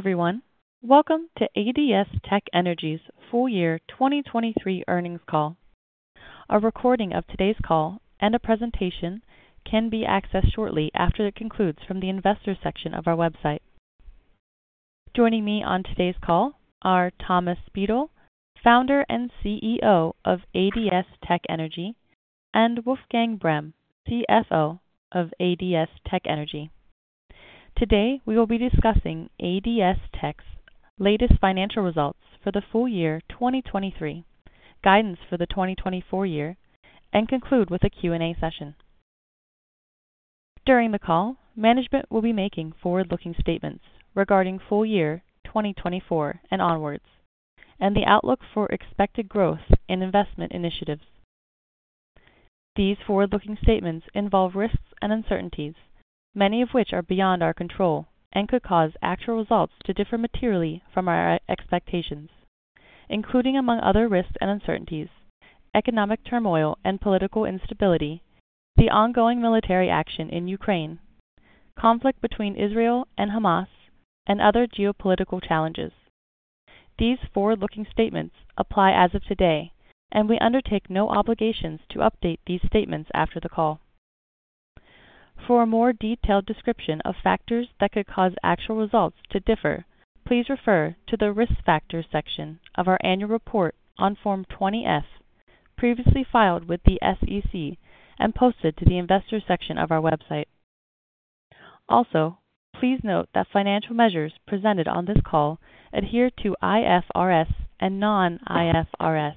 Everyone, welcome to ADS-TEC Energy's full year 2023 earnings call. A recording of today's call and a presentation can be accessed shortly after it concludes from the investor section of our website. Joining me on today's call are Thomas Speidel, Founder and CEO of ADS-TEC Energy, and Wolfgang Breme, CFO of ADS-TEC Energy. Today, we will be discussing ADS-TEC's latest financial results for the full year 2023, guidance for the 2024 year, and conclude with a Q&A session. During the call, management will be making forward-looking statements regarding full year 2024 and onwards, and the outlook for expected growth in investment initiatives. These forward-looking statements involve risks and uncertainties, many of which are beyond our control, and could cause actual results to differ materially from our expectations, including among other risks and uncertainties, economic turmoil and political instability, the ongoing military action in Ukraine, conflict between Israel and Hamas, and other geopolitical challenges. These forward-looking statements apply as of today, and we undertake no obligations to update these statements after the call. For a more detailed description of factors that could cause actual results to differ, please refer to the Risk Factors section of our annual report on Form 20-F, previously filed with the SEC and posted to the investor section of our website. Also, please note that financial measures presented on this call adhere to IFRS and non-IFRS.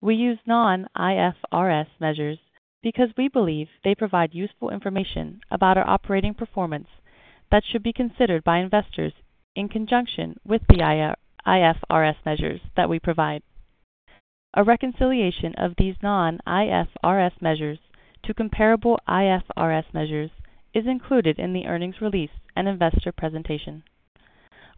We use non-IFRS measures because we believe they provide useful information about our operating performance that should be considered by investors in conjunction with the IFRS measures that we provide. A reconciliation of these non-IFRS measures to comparable IFRS measures is included in the earnings release and investor presentation.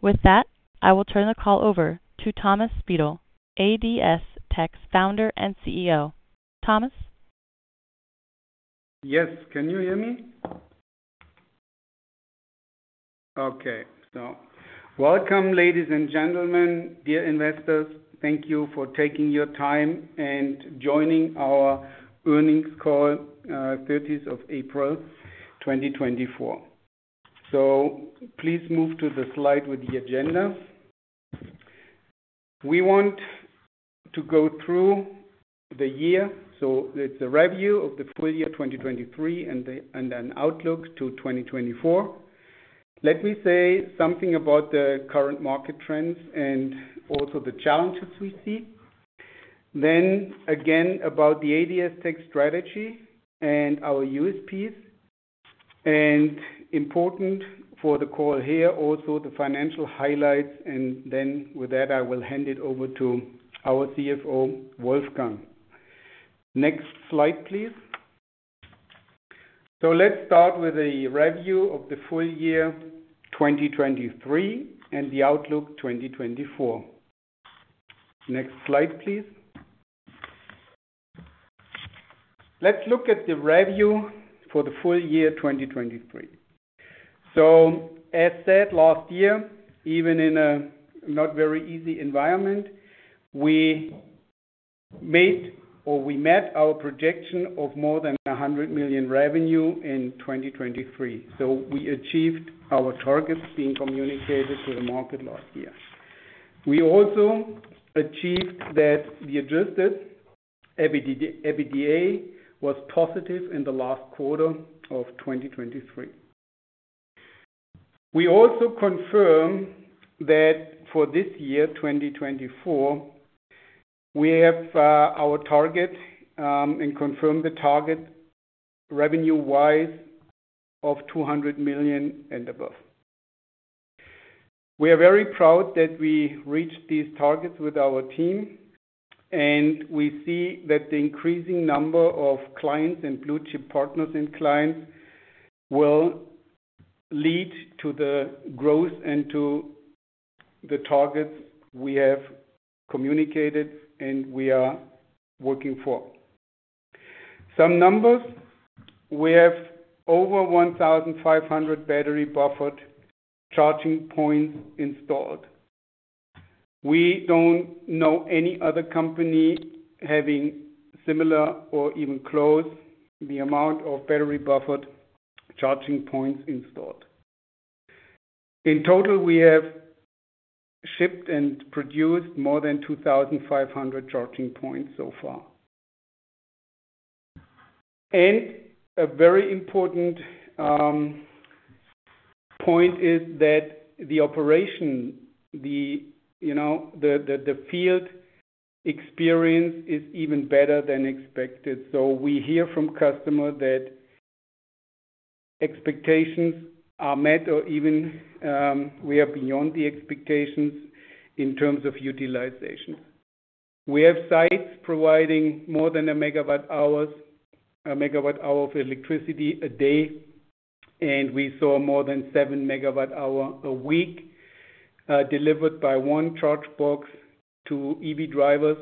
With that, I will turn the call over to Thomas Speidel, ADS-TEC's Founder and CEO. Thomas? Yes. Can you hear me? Okay. So welcome, ladies and gentlemen, dear investors. Thank you for taking your time and joining our earnings call, 30th of April, 2024. So please move to the slide with the agenda. We want to go through the year, so it's a review of the full year, 2023, and an outlook to 2024. Let me say something about the current market trends and also the challenges we see. Then again, about the ADS-TEC strategy and our USPs. And important for the call here, also the financial highlights, and then with that, I will hand it over to our CFO, Wolfgang. Next slide, please. So let's start with a review of the full year, 2023, and the outlook, 2024. Next slide, please. Let's look at the review for the full year, 2023. So as said last year, even in a not very easy environment, we made or we met our projection of more than 100 million revenue in 2023. So we achieved our targets being communicated to the market last year. We also achieved that the adjusted EBITDA was positive in the last quarter of 2023. We also confirm that for this year, 2024, we have our target and confirm the target revenue-wise of 200 million and above. We are very proud that we reached these targets with our team, and we see that the increasing number of clients and blue-chip partners and clients will lead to the growth and to the targets we have communicated and we are working for. Some numbers, we have over 1,500 battery-buffered charging points installed. We don't know any other company having similar or even close to the amount of battery buffered charging points installed. In total, we have shipped and produced more than 2,500 charging points so far. And a very important point is that the operation, you know, the field experience is even better than expected. So we hear from customer that expectations are met or even, we are beyond the expectations in terms of utilization. We have sites providing more than a megawatt-hour of electricity a day, and we saw more than 7 megawatt-hours a week delivered by one charge box to EV drivers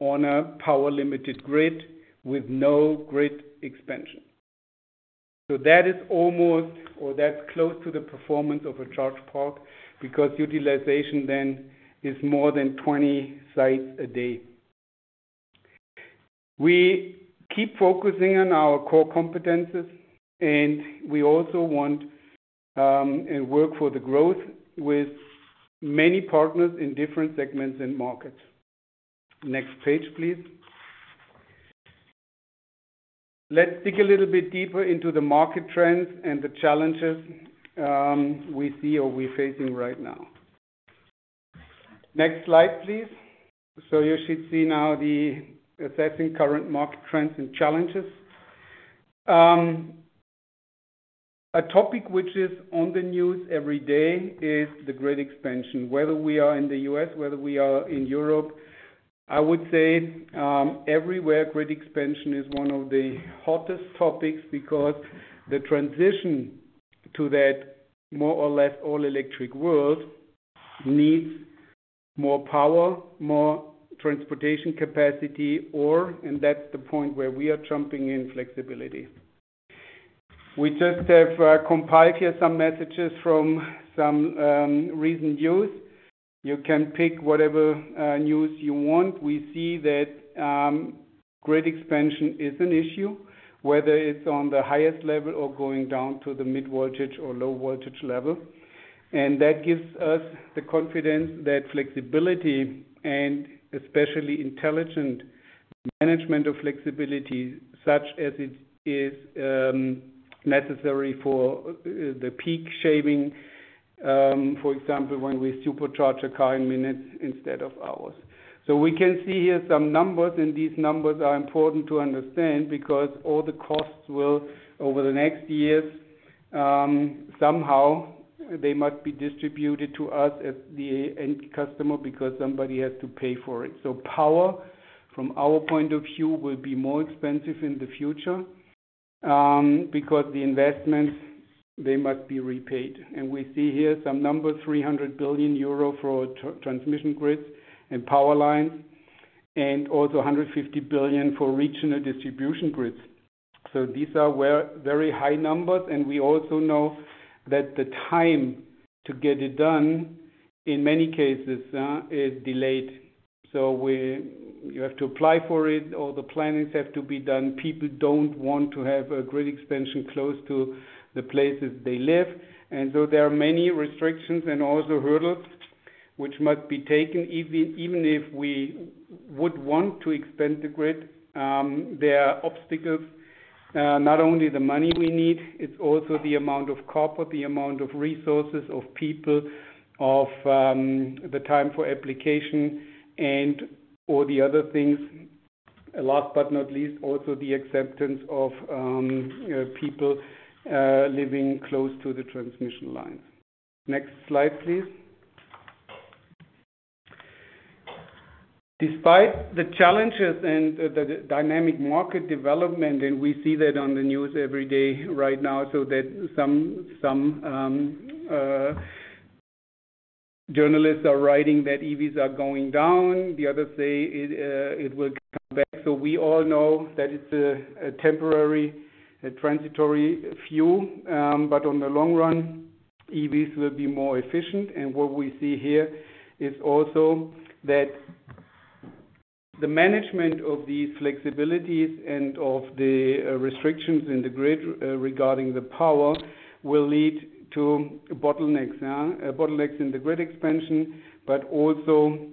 on a power-limited grid with no grid expansion. So that is almost, or that's close to the performance of a charge park, because utilization then is more than 20 sites a day. We keep focusing on our core competencies, and we also want, and work for the growth with many partners in different segments and markets. Next page, please. Let's dig a little bit deeper into the market trends and the challenges, we see or we're facing right now. Next slide, please. So you should see now the Assessing Current Market Trends and Challenges. A topic which is on the news every day is the grid expansion. Whether we are in the U.S., whether we are in Europe, I would say, everywhere, grid expansion is one of the hottest topics because the transition to that more or less all-electric world needs more power, more transportation capacity, or, and that's the point where we are jumping in, flexibility. We just have, compiled here some messages from some, recent news. You can pick whatever, news you want. We see that grid expansion is an issue, whether it's on the highest level or going down to the mid-voltage or low-voltage level. That gives us the confidence that flexibility, and especially intelligent management of flexibility, such as it is, necessary for the peak shaving, for example, when we supercharge a car in minutes instead of hours. So we can see here some numbers, and these numbers are important to understand because all the costs will, over the next years, somehow they must be distributed to us as the end customer because somebody has to pay for it. So power, from our point of view, will be more expensive in the future, because the investments, they must be repaid. We see here some numbers, 300 billion euro for transmission grids and power lines, and also 150 billion for regional distribution grids. So these are very, very high numbers, and we also know that the time to get it done, in many cases, is delayed. So you have to apply for it, all the plannings have to be done. People don't want to have a grid expansion close to the places they live. And so there are many restrictions and also hurdles which must be taken. Even if we would want to expand the grid, there are obstacles, not only the money we need, it's also the amount of copper, the amount of resources, of people, of the time for application and all the other things. Last but not least, also the acceptance of people living close to the transmission lines. Next slide, please. Despite the challenges and the dynamic market development, and we see that on the news every day right now, so that some journalists are writing that EVs are going down, the others say it will come back. So we all know that it's a temporary, a transitory few, but on the long run, EVs will be more efficient. And what we see here is also that the management of these flexibilities and of the restrictions in the grid regarding the power will lead to bottlenecks in the grid expansion. But also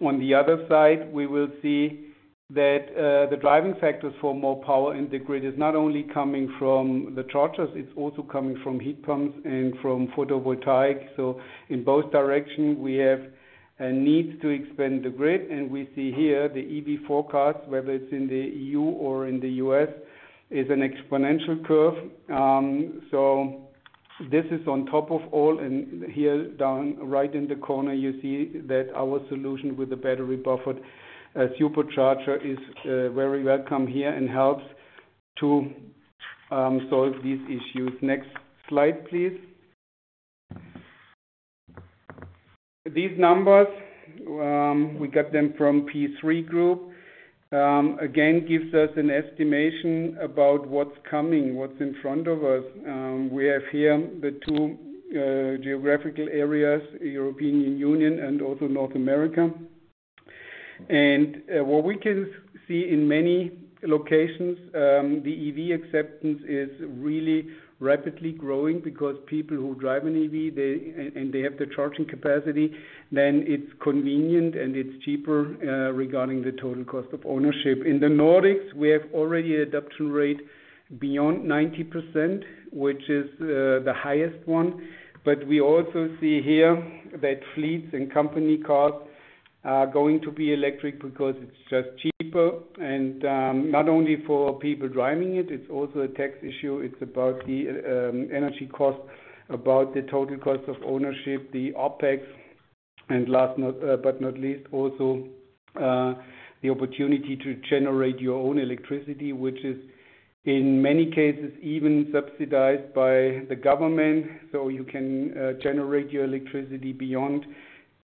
on the other side, we will see that the driving factors for more power in the grid is not only coming from the chargers, it's also coming from heat pumps and from photovoltaic. So in both directions, we have a need to expand the grid, and we see here the EV forecast, whether it's in the EU or in the U.S., is an exponential curve. So this is on top of all, and here, down right in the corner, you see that our solution with the battery-buffered supercharger is very welcome here and helps to solve these issues. Next slide, please. These numbers we got them from P3 Group. Again, gives us an estimation about what's coming, what's in front of us. We have here the two geographical areas, European Union and also North America. What we can see in many locations, the EV acceptance is really rapidly growing because people who drive an EV, they and they have the charging capacity, then it's convenient and it's cheaper, regarding the total cost of ownership. In the Nordics, we have already adoption rate beyond 90%, which is the highest one. But we also see here that fleets and company cars are going to be electric because it's just cheaper, and not only for people driving it, it's also a tax issue. It's about the energy cost, about the total cost of ownership, the OpEx, and last but not least, also the opportunity to generate your own electricity, which is, in many cases, even subsidized by the government. So you can generate your electricity beyond-...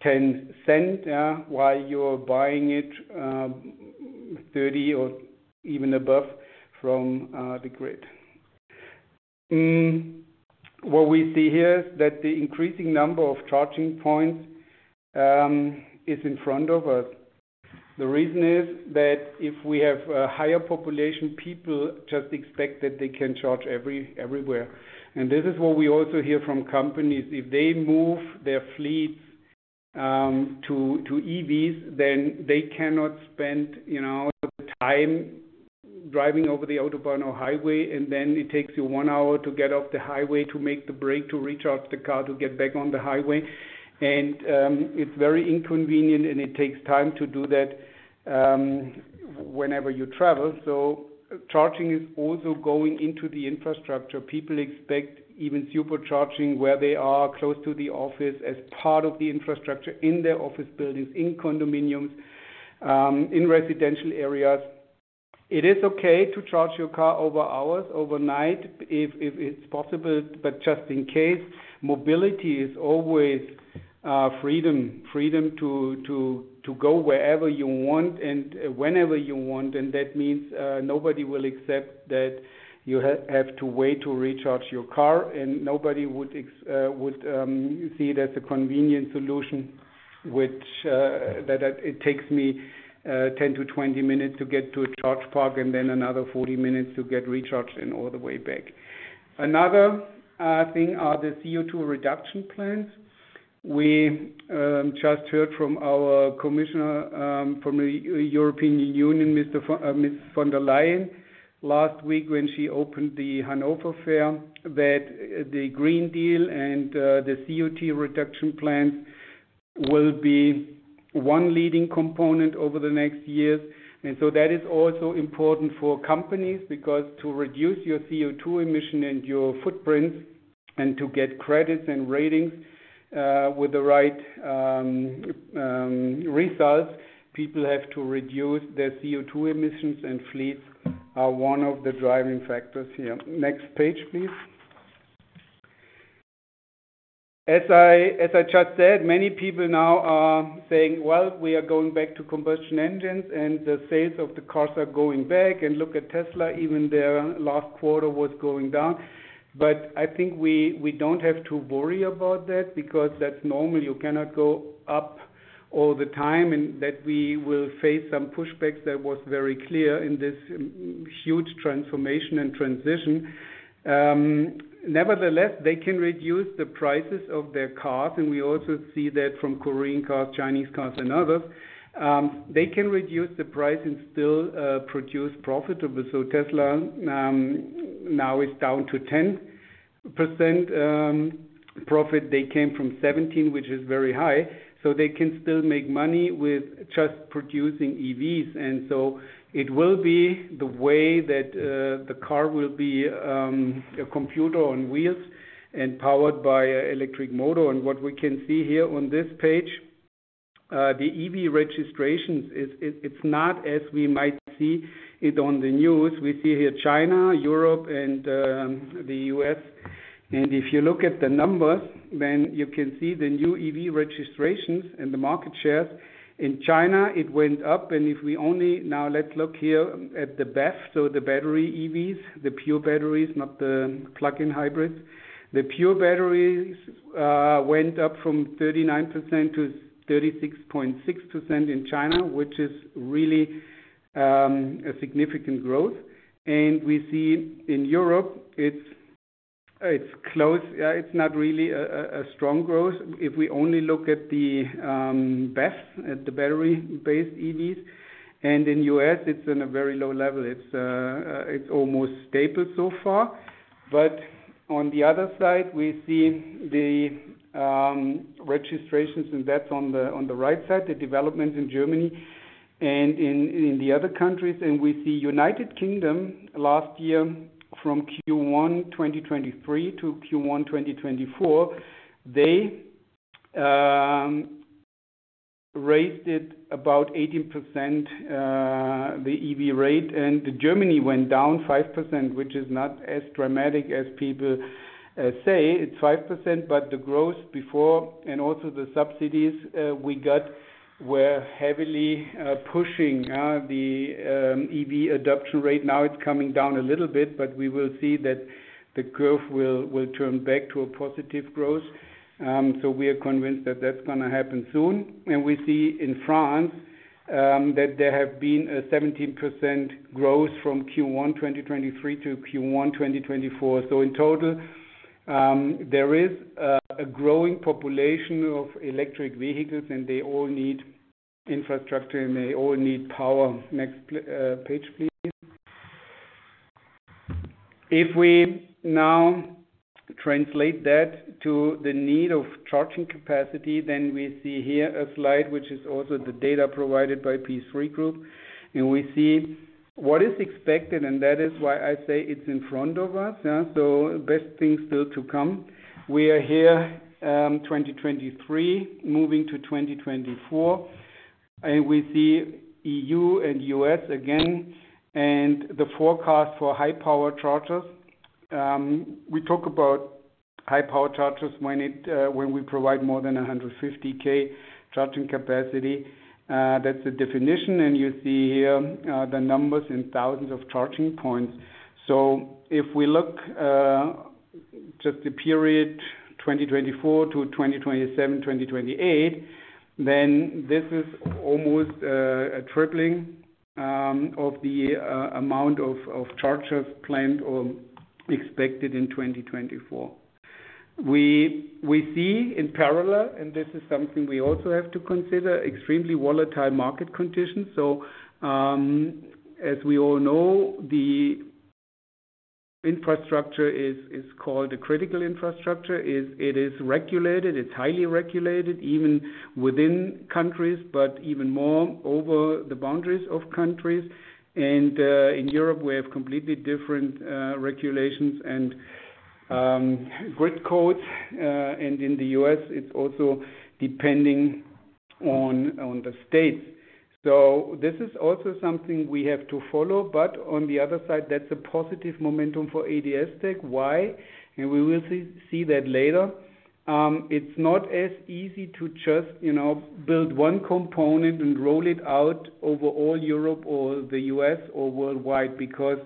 $0.10, yeah, while you're buying it, $0.30 or even above from the grid. What we see here is that the increasing number of charging points is in front of us. The reason is that if we have a higher population, people just expect that they can charge everywhere. This is what we also hear from companies. If they move their fleets to EVs, then they cannot spend, you know, time driving over the Autobahn or highway, and then it takes you one hour to get off the highway to make the break, to recharge the car, to get back on the highway. It's very inconvenient, and it takes time to do that whenever you travel. Charging is also going into the infrastructure. People expect even super charging where they are close to the office as part of the infrastructure in their office buildings, in condominiums, in residential areas. It is okay to charge your car over hours, overnight, if it's possible, but just in case, mobility is always freedom, freedom to go wherever you want and whenever you want, and that means nobody will accept that you have to wait to recharge your car, and nobody would see it as a convenient solution, which that it takes me 10-20 minutes to get to a charge park and then another 40 minutes to get recharged and all the way back. Another thing are the CO₂ reduction plans. We just heard from our commissioner from the European Union, Ms. von der Leyen, last week when she opened the Hanover Fair, that the Green Deal and the CO₂ reduction plans will be one leading component over the next years. And so that is also important for companies, because to reduce your CO₂ emission and your footprint, and to get credits and ratings with the right results, people have to reduce their CO₂ emissions, and fleets are one of the driving factors here. Next page, please. As I, as I just said, many people now are saying, "Well, we are going back to combustion engines, and the sales of the cars are going back, and look at Tesla, even their last quarter was going down." But I think we, we don't have to worry about that, because that's normal. You cannot go up all the time, and that we will face some pushbacks. That was very clear in this huge transformation and transition. Nevertheless, they can reduce the prices of their cars, and we also see that from Korean cars, Chinese cars, and others. They can reduce the price and still produce profitable. So Tesla now is down to 10% profit. They came from 17, which is very high, so they can still make money with just producing EVs. And so it will be the way that the car will be a computer on wheels and powered by an electric motor. And what we can see here on this page, the EV registrations, it's not as we might see it on the news. We see here China, Europe, and the U.S. And if you look at the numbers, then you can see the new EV registrations and the market shares. In China, it went up. Now, let's look here at the BEV, so the battery EVs, the pure batteries, not the plug-in hybrids. The pure batteries went up from 39% to 36.6% in China, which is really a significant growth. And we see in Europe, it's close. It's not really a strong growth. If we only look at the BEVs, at the battery-based EVs, and in the U.S., it's in a very low level. It's almost stable so far. But on the other side, we see the registrations, and that's on the right side, the developments in Germany and in the other countries. We see United Kingdom last year from Q1 2023 to Q1 2024, they raised it about 18%, the EV rate, and Germany went down 5%, which is not as dramatic as people say. It's 5%, but the growth before and also the subsidies we got were heavily pushing the EV adoption rate. Now it's coming down a little bit, but we will see that the curve will turn back to a positive growth. So we are convinced that that's gonna happen soon. We see in France that there have been a 17% growth from Q1 2023 to Q1 2024. So in total, there is a growing population of electric vehicles, and they all need infrastructure, and they all need power. Next page, please. If we now translate that to the need of charging capacity, then we see here a slide, which is also the data provided by P3 Group, and we see what is expected, and that is why I say it's in front of us. Yeah, so best things still to come. We are here, 2023, moving to 2024, and we see E.U. and U.S. again, and the forecast for high power chargers. We talk about high power chargers when it, when we provide more than 150 kW charging capacity. That's the definition, and you see here, the numbers in thousands of charging points. So if we look, just the period 2024 to 2027, 2028, then this is almost, a tripling, of the amount of chargers planned or expected in 2024. We see in parallel, and this is something we also have to consider, extremely volatile market conditions. So, as we all know, the infrastructure is called a critical infrastructure. It is regulated, it's highly regulated, even within countries, but even more over the boundaries of countries. And, in Europe, we have completely different regulations and grid codes. And in the U.S., it's also depending on the states. So this is also something we have to follow, but on the other side, that's a positive momentum for ADS-TEC. Why? And we will see that later. It's not as easy to just, you know, build one component and roll it out over all Europe or the U.S., or worldwide, because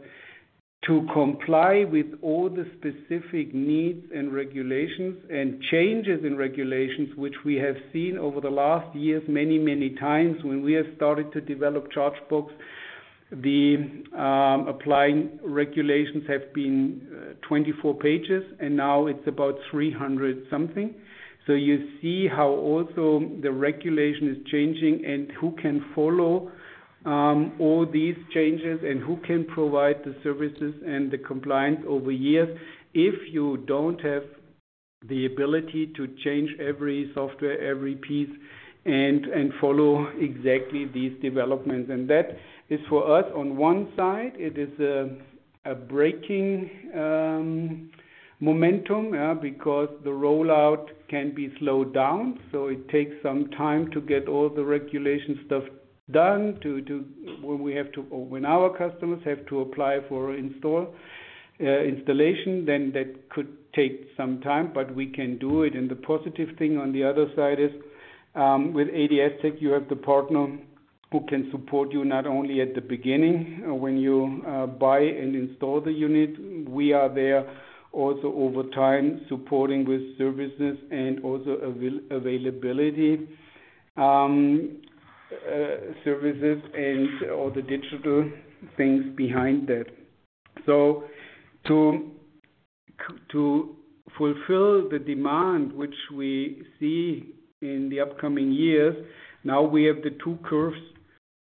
to comply with all the specific needs and regulations, and changes in regulations, which we have seen over the last years, many, many times. When we have started to develop ChargeBox, the applying regulations have been 24 pages, and now it's about 300-something. So you see how also the regulation is changing and who can follow all these changes, and who can provide the services and the compliance over years if you don't have the ability to change every software, every piece, and follow exactly these developments. That is for us, on one side, it is a breaking momentum, because the rollout can be slowed down, so it takes some time to get all the regulation stuff done, to. When we have to-- or when our customers have to apply for installation, then that could take some time, but we can do it. And the positive thing on the other side is, with ADS-TEC, you have the partner who can support you, not only at the beginning, when you buy and install the unit, we are there also over time, supporting with services and also availability services and all the digital things behind that. So to fulfill the demand, which we see in the upcoming years, now we have the two curves.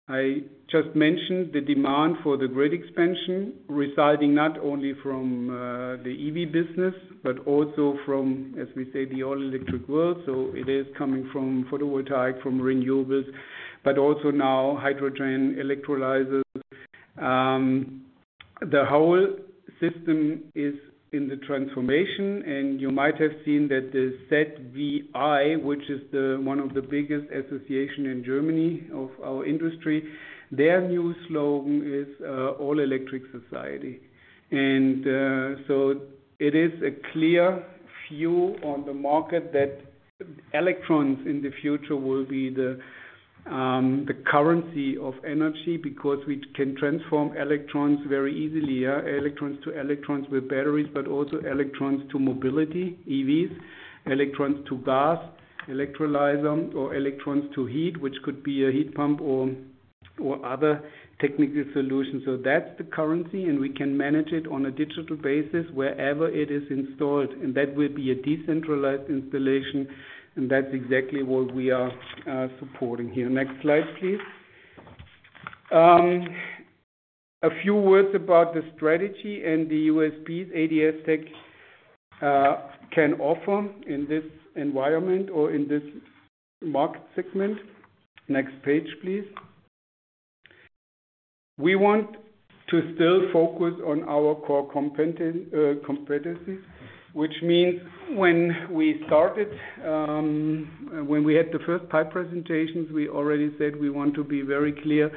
I just mentioned, the demand for the grid expansion, residing not only from, the EV business, but also from, as we say, the all-electric world. So it is coming from photovoltaic, from renewables, but also now hydrogen electrolyzers. The whole system is in the transformation, and you might have seen that the ZVEI, which is the, one of the biggest association in Germany of our industry, their new slogan is, All Electric Society. And, so it is a clear view on the market that electrons in the future will be the, the currency of energy, because we can transform electrons very easily, yeah. Electrons to electrons with batteries, but also electrons to mobility, EVs, electrons to gas, electrolyzers, or electrons to heat, which could be a heat pump or, or other technical solutions. So that's the currency, and we can manage it on a digital basis wherever it is installed, and that will be a decentralized installation, and that's exactly what we are supporting here. Next slide, please. A few words about the strategy and the USPs ADS-TEC can offer in this environment or in this market segment. Next page, please. We want to still focus on our core competency, which means when we started, when we had the first pipe presentations, we already said we want to be very clear,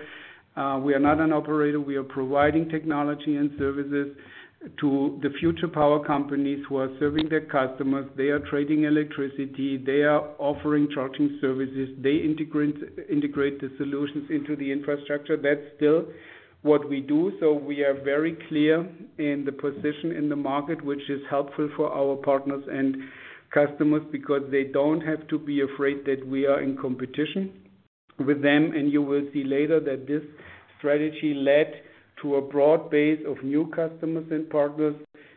we are not an operator, we are providing technology and services to the future power companies who are serving their customers. They are trading electricity, they are offering charging services, they integrate, integrate the solutions into the infrastructure. That's still what we do. So we are very clear in the position in the market, which is helpful for our partners and customers because they don't have to be afraid that we are in competition with them. And you will see later that this strategy led to a broad base of new customers and partners,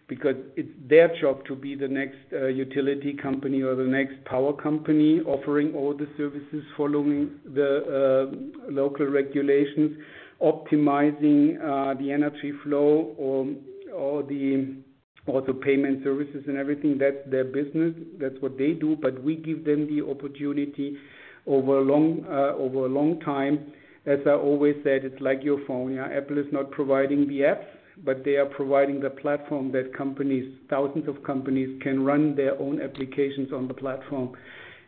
because it's their job to be the next, utility company or the next power company, offering all the services, following the, local regulations, optimizing, the energy flow, or the payment services and everything. That's their business, that's what they do. But we give them the opportunity over a long, over a long time. As I always said, it's like your phone. Yeah, Apple is not providing the apps, but they are providing the platform that companies, thousands of companies, can run their own applications on the platform.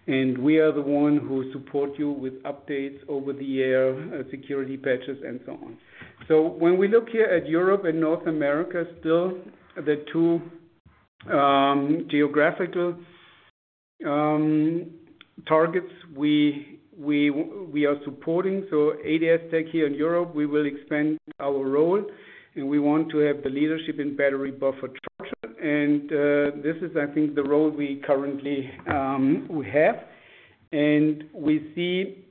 And we are the one who support you with updates over the air, security patches, and so on. So when we look here at Europe and North America, still the two geographical targets we are supporting. So ADS-TEC here in Europe, we will expand our role, and we want to have the leadership in battery buffer charger. And this is, I think, the role we currently we have, and we see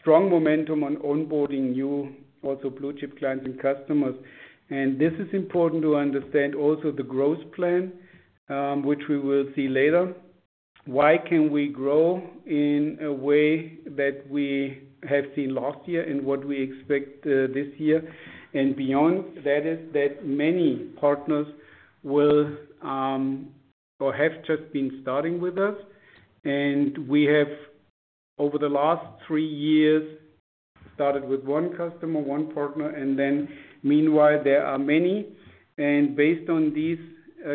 strong momentum on onboarding new, also blue-chip clients and customers. And this is important to understand also the growth plan, which we will see later. Why can we grow in a way that we have seen last year and what we expect this year and beyond? That is, that many partners will, or have just been starting with us, and we have, over the last three years, started with one customer, one partner, and then meanwhile, there are many. And based on these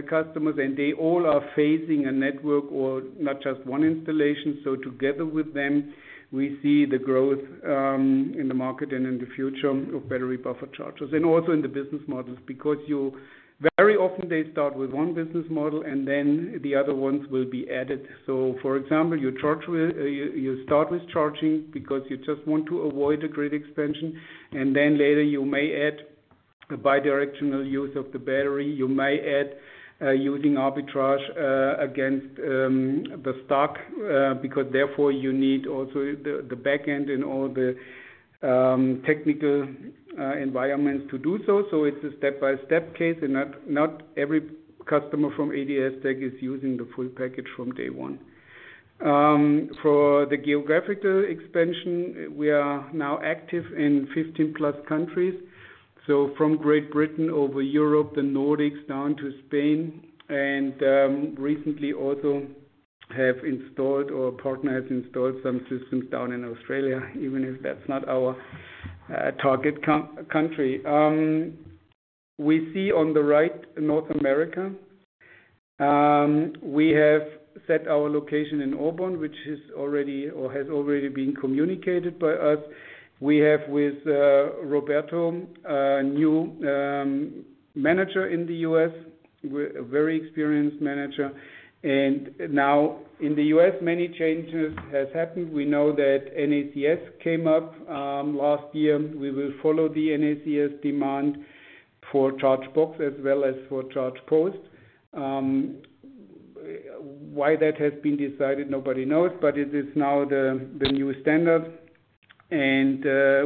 customers, and they all are facing a network or not just one installation, so together with them, we see the growth, in the market and in the future of battery buffer chargers, and also in the business models. Because you- very often they start with one business model, and then the other ones will be added. So for example, you charge with, you, you start with charging because you just want to avoid the grid expansion, and then later you may add a bidirectional use of the battery. You may add using arbitrage against the stock because therefore, you need also the the back end and all the technical environments to do so. So it's a step-by-step case, and not every customer from ADS-TEC is using the full package from day one. For the geographical expansion, we are now active in 15+ countries. So from Great Britain over Europe, the Nordics, down to Spain, and recently also have installed, or a partner has installed some systems down in Australia, even if that's not our target country. We see on the right, North America. We have set our location in Auburn, which is already or has already been communicated by us. We have with Renato, a new manager in the U.S., a very experienced manager. Now in the U.S., many changes has happened. We know that NACS came up last year. We will follow the NACS demand for ChargeBox as well as for ChargePost. Why that has been decided, nobody knows, but it is now the new standard, and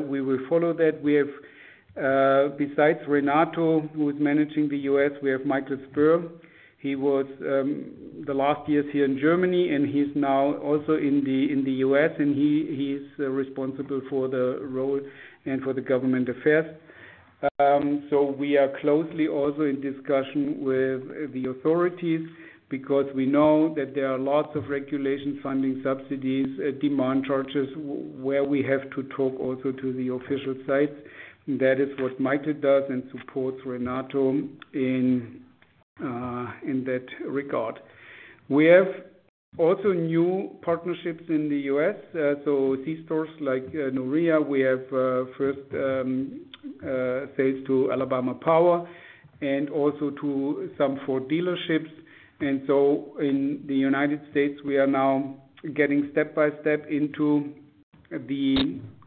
we will follow that. We have, besides Renato, who is managing the U.S., we have Michael Sperl. He was the last years here in Germany, and he's now also in the U.S., and he is responsible for the rollout and for the government affairs. So we are closely also in discussion with the authorities because we know that there are lots of regulations, funding, subsidies, demand charges, where we have to talk also to the official sites. That is what Michael does and supports Renato in that regard. We have also new partnerships in the U.S., so these stores like Nouria, we have first sales to Alabama Power and also to some Ford dealerships. So in the United States, we are now getting step-by-step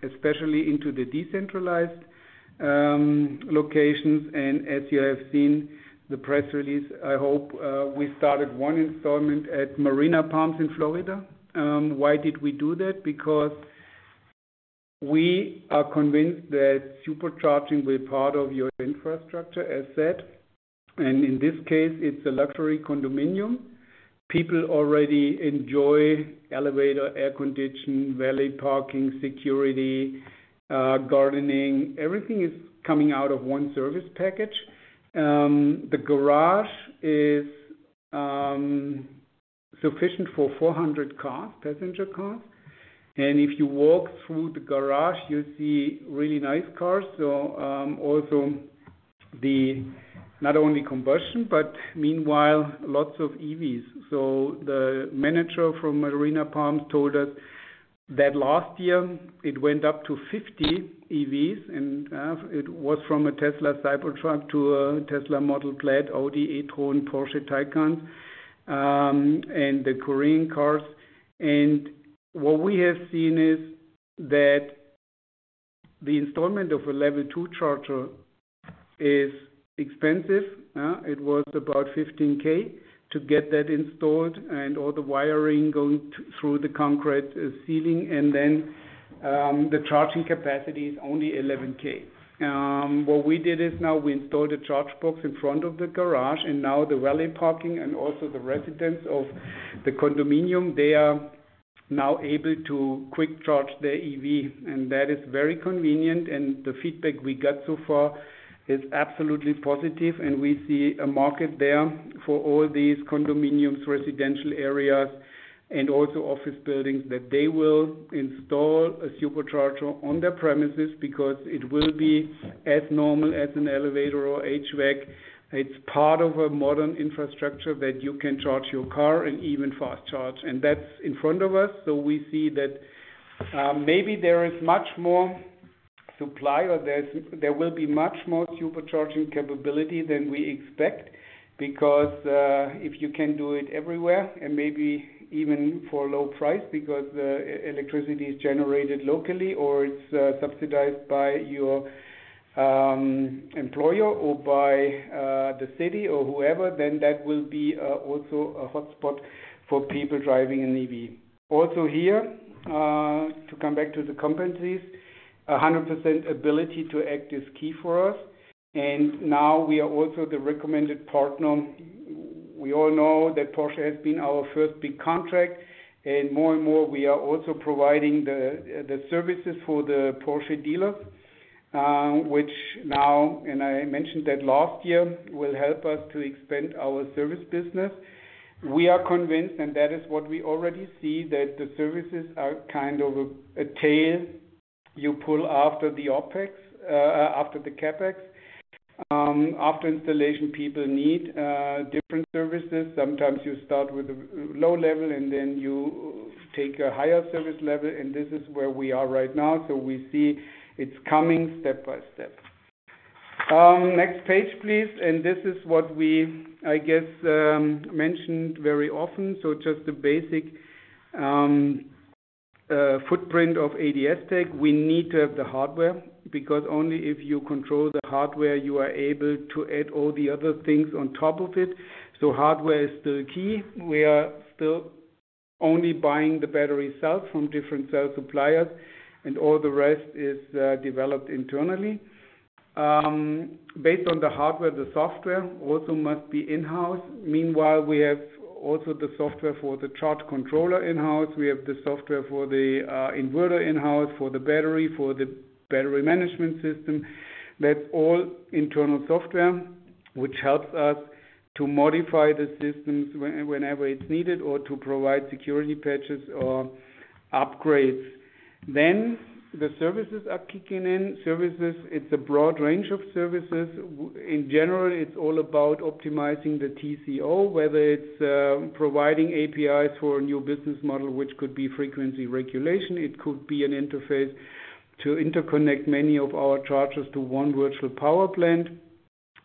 especially into the decentralized locations. And as you have seen the press release, I hope, we started one installation at Marina Palms in Florida. Why did we do that? Because we are convinced that supercharging will be part of your infrastructure, as said, and in this case, it's a luxury condominium. People already enjoy elevator, air conditioning, valet parking, security, gardening. Everything is coming out of one service package. The garage is sufficient for 400 cars, passenger cars, and if you walk through the garage, you see really nice cars. So, also, not only combustion, but meanwhile, lots of EVs. So the manager from Marina Palms told us that last year it went up to 50 EVs, and it was from a Tesla Cybertruck to a Tesla Model Plaid, Audi e-tron, Porsche Taycan, and the Korean cars. And what we have seen is that the installation of a Level 2 charger is expensive, it was about $15,000 to get that installed and all the wiring going through the concrete ceiling, and then the charging capacity is only 11 kW. What we did is now we installed a ChargeBox in front of the garage, and now the valet parking and also the residents of the condominium, they are now able to quick charge their EV, and that is very convenient, and the feedback we got so far is absolutely positive. We see a market there for all these condominiums, residential areas, and also office buildings, that they will install a supercharger on their premises because it will be as normal as an elevator or HVAC. It's part of a modern infrastructure that you can charge your car and even fast charge. That's in front of us, so we see that, maybe there is much more supply or there will be much more supercharging capability than we expect, because if you can do it everywhere, and maybe even for a low price, because the electricity is generated locally, or it's subsidized by your employer or by the city or whoever, then that will be also a hotspot for people driving an EV. Also here, to come back to the competencies, 100% ability to act is key for us, and now we are also the recommended partner. We all know that Porsche has been our first big contract, and more and more, we are also providing the services for the Porsche dealer, which now, and I mentioned that last year, will help us to expand our service business. We are convinced, and that is what we already see, that the services are kind of a tail you pull after the OpEx, after the CapEx. After installation, people need different services. Sometimes you start with a low level, and then you take a higher service level, and this is where we are right now. So we see it's coming step by step. Next page, please. This is what we, I guess, mentioned very often, so just the basic footprint of ADS-TEC. We need to have the hardware, because only if you control the hardware, you are able to add all the other things on top of it. Hardware is still key. We are still only buying the battery cells from different cell suppliers, and all the rest is developed internally. Based on the hardware, the software also must be in-house. Meanwhile, we have also the software for the charge controller in-house. We have the software for the inverter in-house, for the battery, for the battery management system. That's all internal software, which helps us to modify the systems whenever it's needed or to provide security patches or upgrades. The services are kicking in. Services, it's a broad range of services. In general, it's all about optimizing the TCO, whether it's providing APIs for a new business model, which could be frequency regulation, it could be an interface to interconnect many of our chargers to one virtual power plant.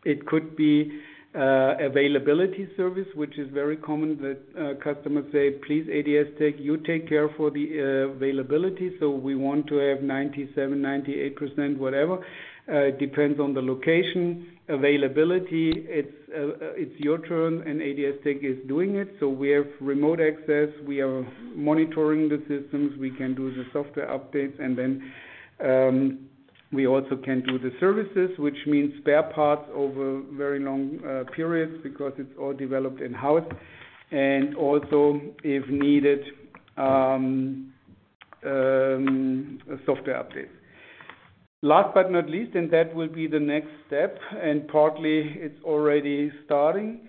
It could be availability service, which is very common, that customers say, "Please, ADS-TEC, you take care for the availability." So we want to have 97%-98%, whatever. It depends on the location. Availability, it's your turn, and ADS-TEC is doing it. So we have remote access, we are monitoring the systems, we can do the software updates, and then we also can do the services, which means spare parts over very long periods because it's all developed in-house, and also, if needed, a software update. Last but not least, and that will be the next step, and partly it's already starting.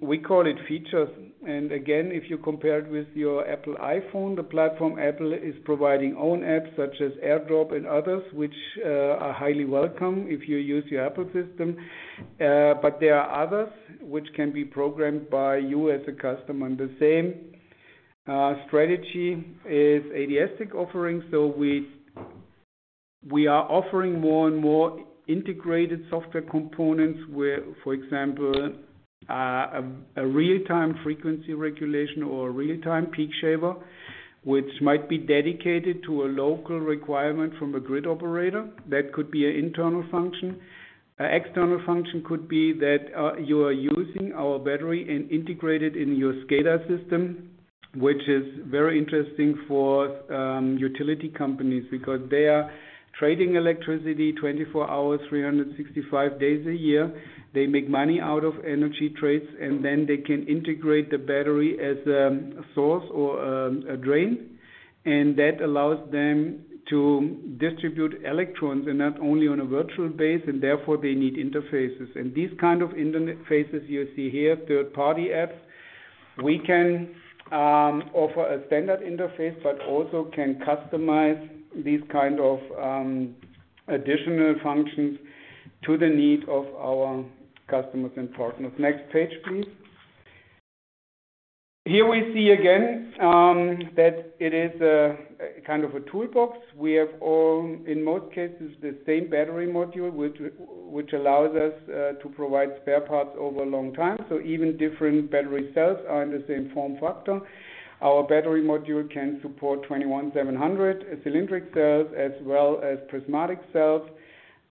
We call it features, and again, if you compare it with your Apple iPhone, the platform, Apple, is providing own apps, such as AirDrop and others, which are highly welcome if you use your Apple system. But there are others which can be programmed by you as a customer. And the same strategy is ADS-TEC offering. So we, we are offering more and more integrated software components, where, for example, a real-time frequency regulation or a real-time peak shaver, which might be dedicated to a local requirement from a grid operator. That could be an internal function. An external function could be that, you are using our battery and integrated in your SCADA system, which is very interesting for, utility companies, because they are trading electricity 24 hours, 365 days a year. They make money out of energy trades, and then they can integrate the battery as a source or, a drain, and that allows them to distribute electrons, and not only on a virtual basis, and therefore, they need interfaces. And these kind of interfaces you see here, third-party apps, we can, offer a standard interface, but also can customize these kind of, additional functions to the need of our customers and partners. Next page, please. Here we see again, that it is a, kind of a toolbox. We have all, in most cases, the same battery module, which allows us to provide spare parts over a long time. So even different battery cells are in the same form factor. Our battery module can support 21,700 cylindrical cells, as well as prismatic cells.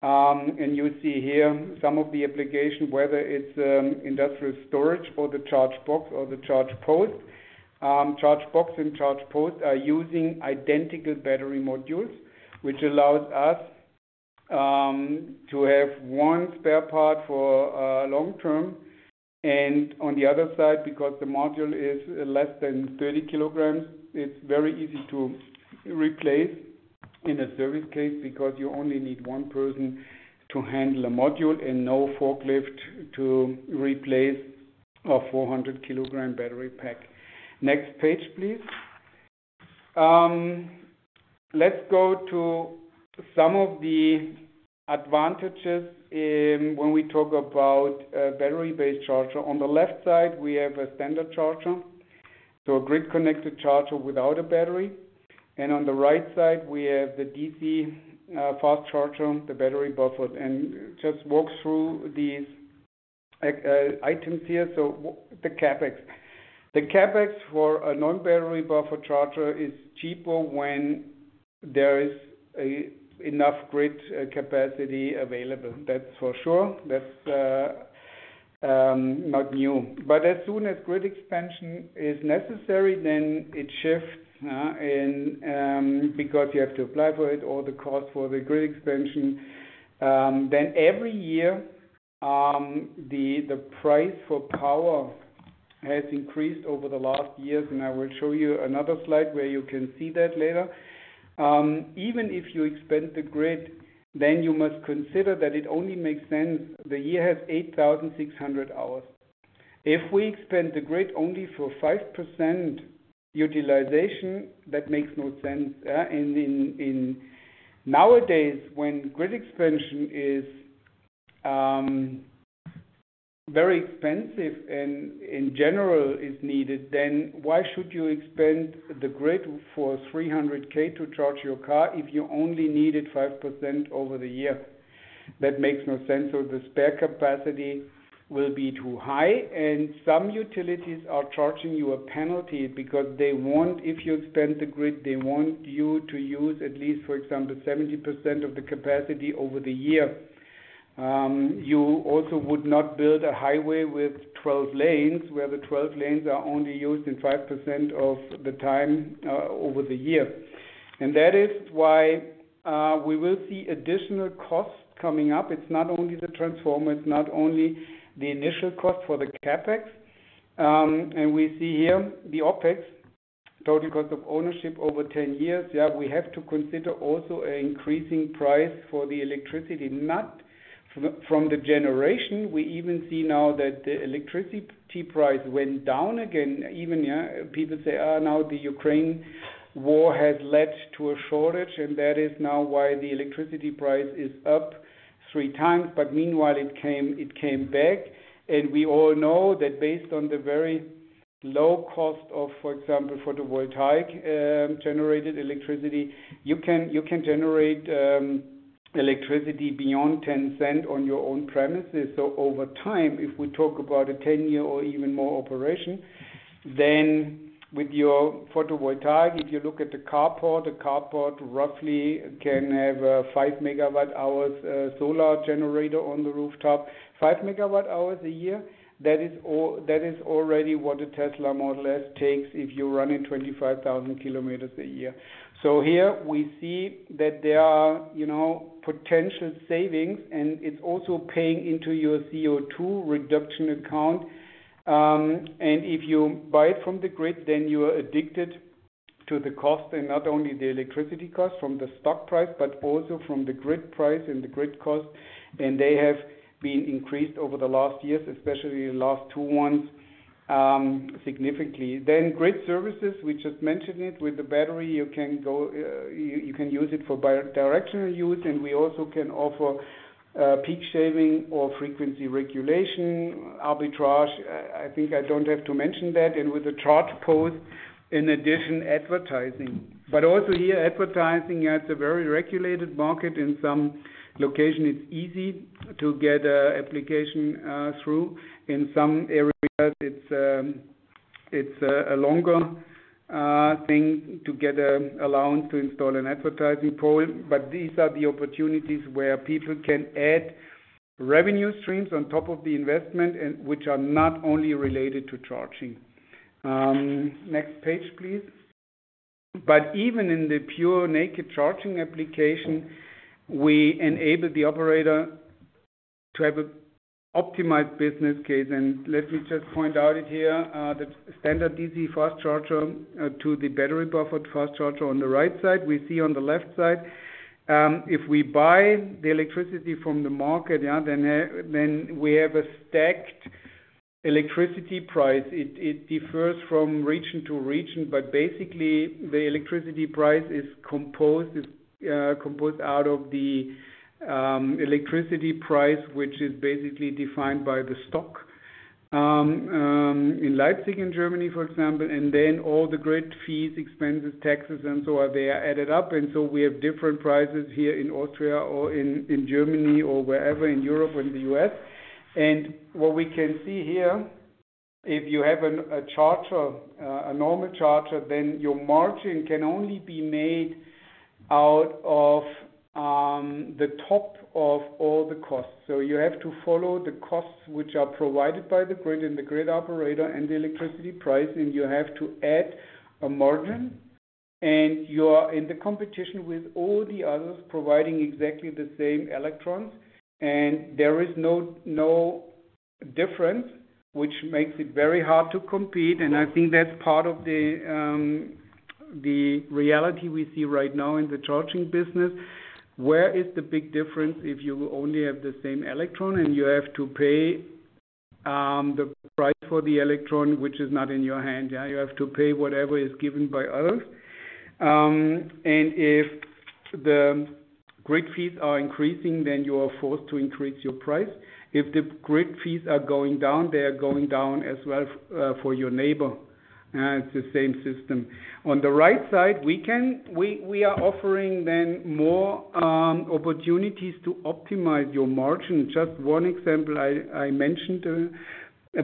And you see here some of the application, whether it's industrial storage for the ChargeBox or the ChargePost. ChargeBox and ChargePost are using identical battery modules, which allows us to have one spare part for long term. And on the other side, because the module is less than 30 kilograms, it's very easy to replace in a service case because you only need one person to handle a module, and no forklift to replace a 400-kilogram battery pack. Next page, please. Let's go to some of the advantages when we talk about a battery-based charger. On the left side, we have a standard charger. So a grid-connected charger without a battery. And on the right side, we have the DC fast charger, the battery-buffered. And just walk through these, like items here. So the CapEx. The CapEx for a non-battery buffer charger is cheaper when there is enough grid capacity available, that's for sure. That's not new. But as soon as grid expansion is necessary, then it shifts, and because you have to apply for it or the cost for the grid expansion. Then every year, the price for power has increased over the last years, and I will show you another slide where you can see that later. Even if you expand the grid, then you must consider that it only makes sense. The year has 8,600 hours. If we expand the grid only for 5% utilization, that makes no sense, and nowadays, when grid expansion is very expensive and in general is needed, then why should you expand the grid for 300 kW to charge your car if you only need it 5% over the year? That makes no sense, so the spare capacity will be too high, and some utilities are charging you a penalty because they want, if you expand the grid, they want you to use at least, for example, 70% of the capacity over the year. You also would not build a highway with 12 lanes, where the 12 lanes are only used in 5% of the time, over the year. And that is why we will see additional costs coming up. It's not only the transformer, it's not only the initial cost for the CapEx. And we see here, the OpEx, total cost of ownership over 10 years. Yeah, we have to consider also an increasing price for the electricity, not from, from the generation. We even see now that the electricity price went down again, even, yeah, people say, "Ah, now the Ukraine war has led to a shortage," and that is now why the electricity price is up three times. But meanwhile, it came, it came back, and we all know that based on the very low cost of, for example, photovoltaic generated electricity, you can, you can generate electricity beyond 0.10 on your own premises. So over time, if we talk about a 10-year or even more operation, then with your photovoltaic, if you look at the carport, the carport roughly can have a 5 MWh solar generator on the rooftop, 5 MWh a year. That is all- that is already what a Tesla Model S takes if you're running 25,000 kilometers a year. So here we see that there are, you know, potential savings, and it's also paying into your CO2 reduction account. And if you buy it from the grid, then you are addicted to the cost, and not only the electricity cost from the stock price, but also from the grid price and the grid cost, and they have been increased over the last years, especially the last two ones, significantly. Then grid services, we just mentioned it, with the battery, you can go, you can use it for bidirectional use, and we also can offer peak shaving or frequency regulation, arbitrage. I think I don't have to mention that, and with the ChargePost, in addition, advertising. But also here, advertising, it's a very regulated market. In some location, it's easy to get an application through. In some areas, it's a longer thing to get an allowance to install an advertising pole. But these are the opportunities where people can add revenue streams on top of the investment, and which are not only related to charging. Next page, please. Even in the pure naked charging application, we enable the operator to have an optimized business case. And let me just point it out here, the standard DC fast charger to the battery buffered fast charger on the right side. We see on the left side, if we buy the electricity from the market, yeah, then we have a stacked electricity price. It differs from region to region, but basically, the electricity price is composed out of the electricity price, which is basically defined by the stock. In Leipzig, in Germany, for example, and then all the grid fees, expenses, taxes, and so on, they are added up, and so we have different prices here in Austria or in Germany, or wherever in Europe or in the U.S. What we can see here, if you have a charger, a normal charger, then your margin can only be made out of the top of all the costs. You have to follow the costs which are provided by the grid, and the grid operator, and the electricity price, and you have to add a margin, and you are in the competition with all the others providing exactly the same electrons. There is no difference, which makes it very hard to compete, and I think that's part of the reality we see right now in the charging business. Where is the big difference if you only have the same electron, and you have to pay the price for the electron, which is not in your hand, yeah? You have to pay whatever is given by others. And if the grid fees are increasing, then you are forced to increase your price. If the grid fees are going down, they are going down as well for your neighbor; it's the same system. On the right side, we are offering then more opportunities to optimize your margin. Just one example I mentioned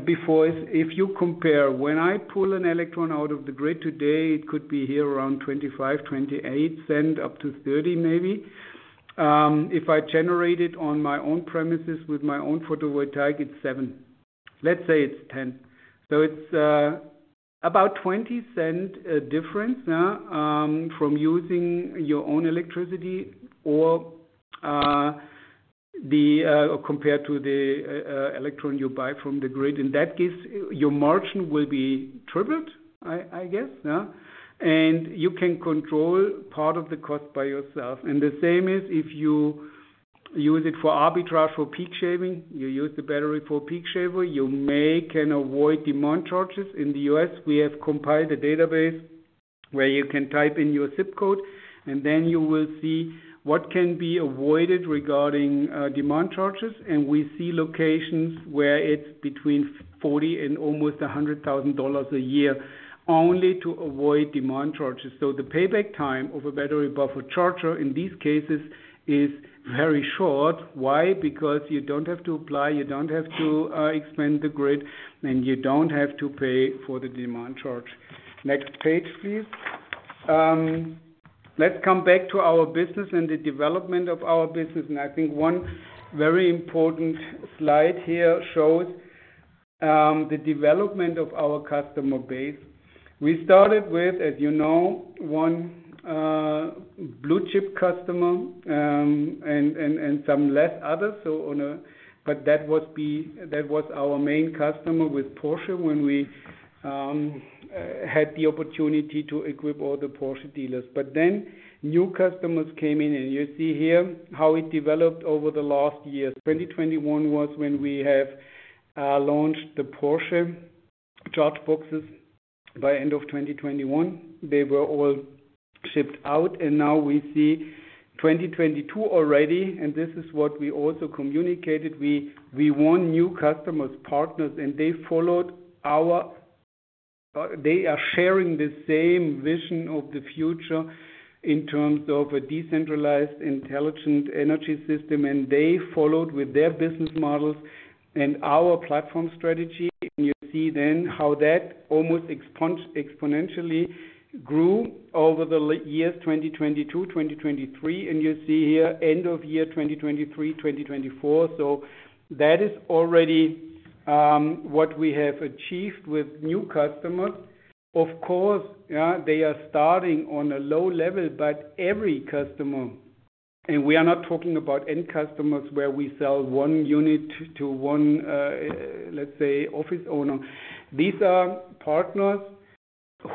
before, if you compare, when I pull an electron out of the grid today, it could be here around 0.25, 0.28 up to 0.30, maybe. If I generate it on my own premises with my own photovoltaic, it's 0.07. Let's say it's 0.10. So it's about 20-cent difference from using your own electricity or the compared to the electricity you buy from the grid. In that case, your margin will be tripled, I guess, yeah? And you can control part of the cost by yourself. And the same is if you use it for arbitrage, for peak shaving, you use the battery for peak shaving, you may can avoid demand charges. In the U.S., we have compiled a database where you can type in your ZIP code, and then you will see what can be avoided regarding demand charges. And we see locations where it's between $40,000 and almost $100,000 a year, only to avoid demand charges. So the payback time of a battery buffer charger in these cases is very short. Why? Because you don't have to apply, you don't have to expand the grid, and you don't have to pay for the demand charge. Next page, please. Let's come back to our business and the development of our business, and I think one very important slide here shows the development of our customer base. We started with, as you know, one blue-chip customer, and, and, and some less others. But that was our main customer with Porsche, when we had the opportunity to equip all the Porsche dealers. But then, new customers came in, and you see here how it developed over the last years. 2021 was when we have launched the Porsche ChargeBoxes. By end of 2021, they were all shipped out, and now we see 2022 already, and this is what we also communicated. We want new customers, partners, and they followed, they are sharing the same vision of the future in terms of a decentralized, intelligent energy system, and they followed with their business models and our platform strategy. And you see then how that almost exponentially grew over the years 2022, 2023, and you see here, end of year, 2023, 2024. So that is already what we have achieved with new customers. Of course, yeah, they are starting on a low level, but every customer, and we are not talking about end customers, where we sell one unit to, to one, let's say, office owner. These are partners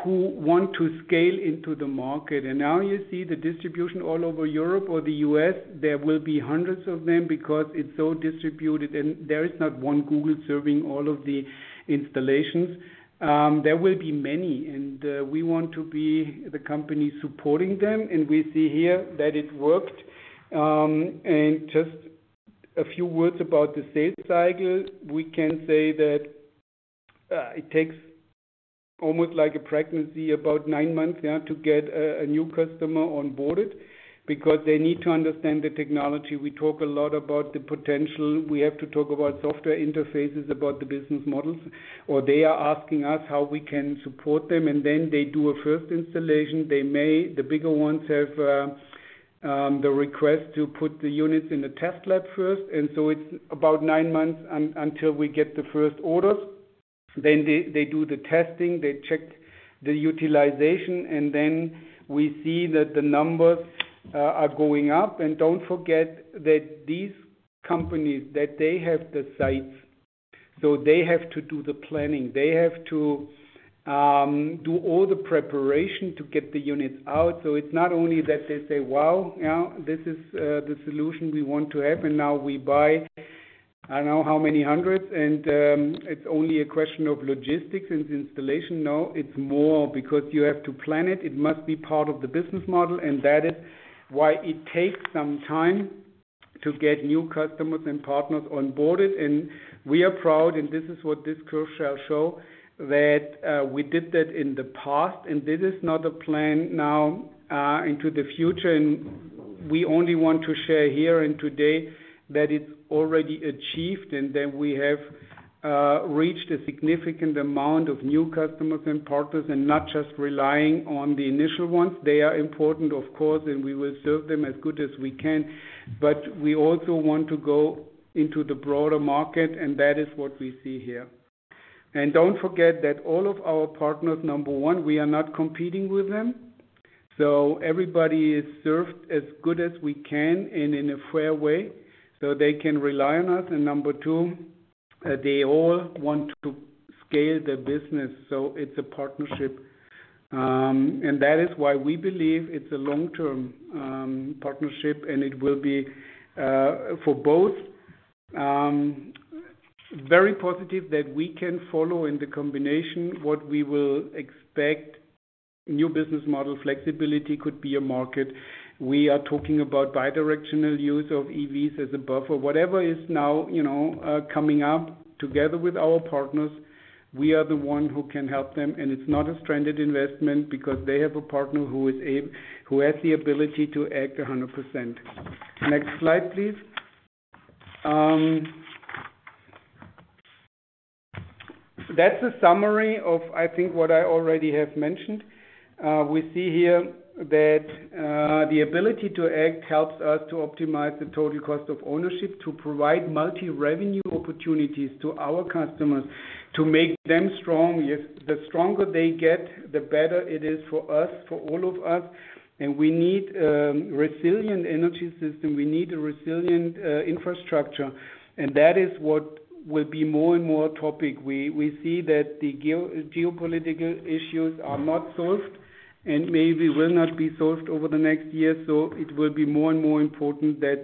who want to scale into the market. And now you see the distribution all over Europe or the U.S. There will be hundreds of them because it's so distributed, and there is not one Google serving all of the installations. There will be many, and we want to be the company supporting them, and we see here that it worked. And just a few words about the sales cycle. We can say that it takes almost like a pregnancy, about 9 months, yeah, to get a new customer onboarded, because they need to understand the technology. We talk a lot about the potential. We have to talk about software interfaces, about the business models, or they are asking us how we can support them, and then they do a first installation. The bigger ones have the request to put the units in a test lab first, and so it's about nine months until we get the first orders. Then they, they do the testing, they check the utilization, and then we see that the numbers are going up. And don't forget that these companies, that they have the sites, so they have to do the planning. They have to do all the preparation to get the units out. So it's not only that they say, "Wow, yeah, this is the solution we want to have, and now we buy, I don't know how many hundreds, and it's only a question of logistics and installation." No, it's more because you have to plan it. It must be part of the business model, and that is why it takes some time to get new customers and partners onboarded. We are proud, and this is what this curve shall show, that we did that in the past, and this is not a plan now into the future. We only want to share here and today that it's already achieved, and that we have reached a significant amount of new customers and partners, and not just relying on the initial ones. They are important, of course, and we will serve them as good as we can. But we also want to go into the broader market, and that is what we see here. Don't forget that all of our partners, number one, we are not competing with them, so everybody is served as good as we can and in a fair way, so they can rely on us. Number two, they all want to scale their business, so it's a partnership. And that is why we believe it's a long-term partnership, and it will be for both very positive that we can follow in the combination what we will expect. New business model flexibility could be a market. We are talking about bidirectional use of EVs as a buffer. Whatever is now, you know, coming up together with our partners, we are the one who can help them, and it's not a stranded investment because they have a partner who has the ability to act 100%. Next slide, please. That's a summary of, I think, what I already have mentioned. We see here that the ability to act helps us to optimize the total cost of ownership, to provide multi-revenue opportunities to our customers, to make them strong. If the stronger they get, the better it is for us, for all of us. And we need resilient energy system. We need a resilient infrastructure, and that is what will be more and more topic. We see that the geopolitical issues are not solved and maybe will not be solved over the next year. So it will be more and more important that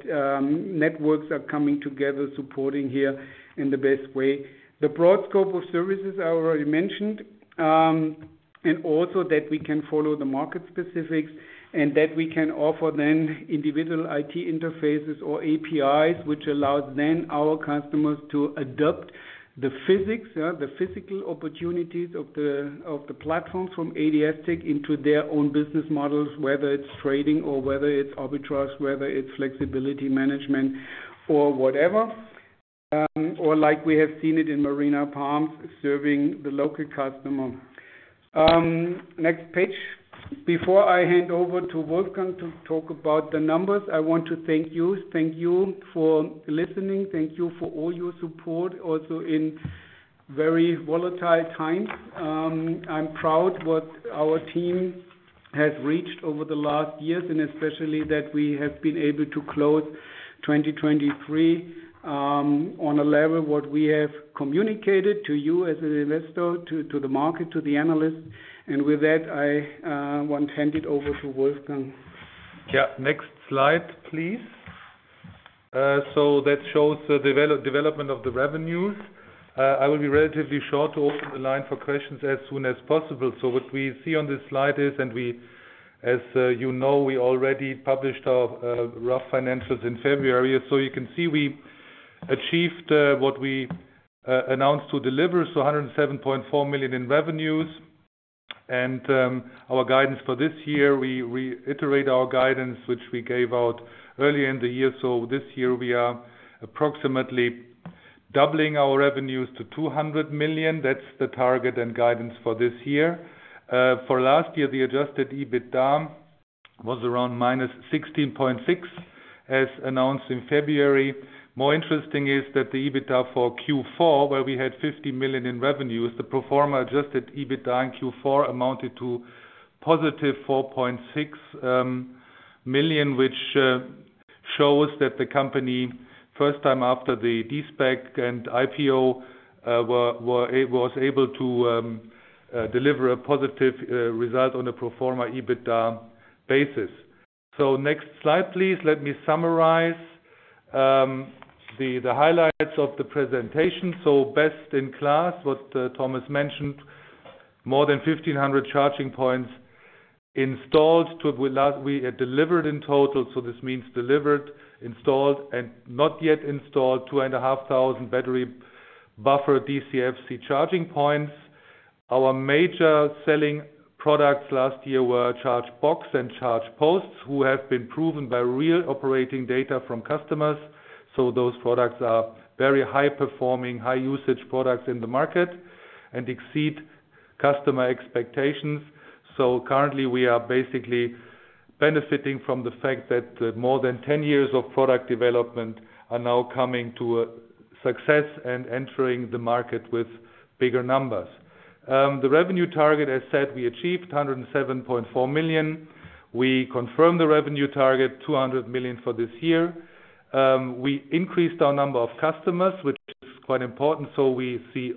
networks are coming together, supporting here in the best way. The broad scope of services I already mentioned, and also that we can follow the market specifics, and that we can offer then individual IT interfaces or APIs, which allows then our customers to adopt the physics, yeah, the physical opportunities of the, of the platforms from ADS-TEC into their own business models, whether it's trading or whether it's arbitrage, whether it's flexibility management or whatever. Or like we have seen it in Marina Palms, serving the local customer. Next page. Before I hand over to Wolfgang to talk about the numbers, I want to thank you. Thank you for listening. Thank you for all your support, also in very volatile times. I'm proud what our team has reached over the last years, and especially that we have been able to close 2023 on a level what we have communicated to you as an investor, to the market, to the analyst. With that, I want to hand it over to Wolfgang. Yeah. Next slide, please. So that shows the development of the revenues. I will be relatively short to open the line for questions as soon as possible. So what we see on this slide is, as you know, we already published our rough financials in February. So you can see we achieved what we announced to deliver, so 107.4 million in revenues. And our guidance for this year, we reiterate our guidance, which we gave out earlier in the year. So this year, we are approximately doubling our revenues to 200 million. That's the target and guidance for this year. For last year, the adjusted EBITDA was around -16.6 million, as announced in February. More interesting is that the EBITDA for Q4, where we had 50 million in revenues, the pro forma adjusted EBITDA in Q4 amounted to positive 4.6 million, which shows that the company, first time after the de-SPAC and IPO, was able to deliver a positive result on a pro forma EBITDA basis. So next slide, please. Let me summarize the highlights of the presentation. So best in class, what Thomas mentioned, more than 1,500 charging points installed. We delivered in total, so this means delivered, installed, and not yet installed, 2,500 battery-buffered DCFC charging points. Our major selling products last year were ChargeBox and ChargePost, who have been proven by real operating data from customers. So those products are very high-performing, high-usage products in the market and exceed customer expectations. So currently, we are basically benefiting from the fact that more than 10 years of product development are now coming to a success and entering the market with bigger numbers. The revenue target, as said, we achieved 107.4 million. We confirmed the revenue target, 200 million for this year. We increased our number of customers, which is quite important. So we see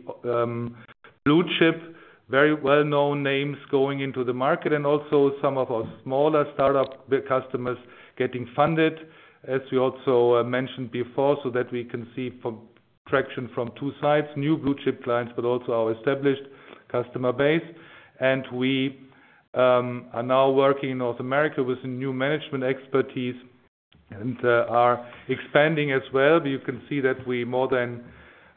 blue chip, very well-known names going into the market and also some of our smaller startup customers getting funded, as we also mentioned before, so that we can see traction from two sides, new blue chip clients, but also our established customer base. And we are now working in North America with a new management expertise and are expanding as well. You can see that we more than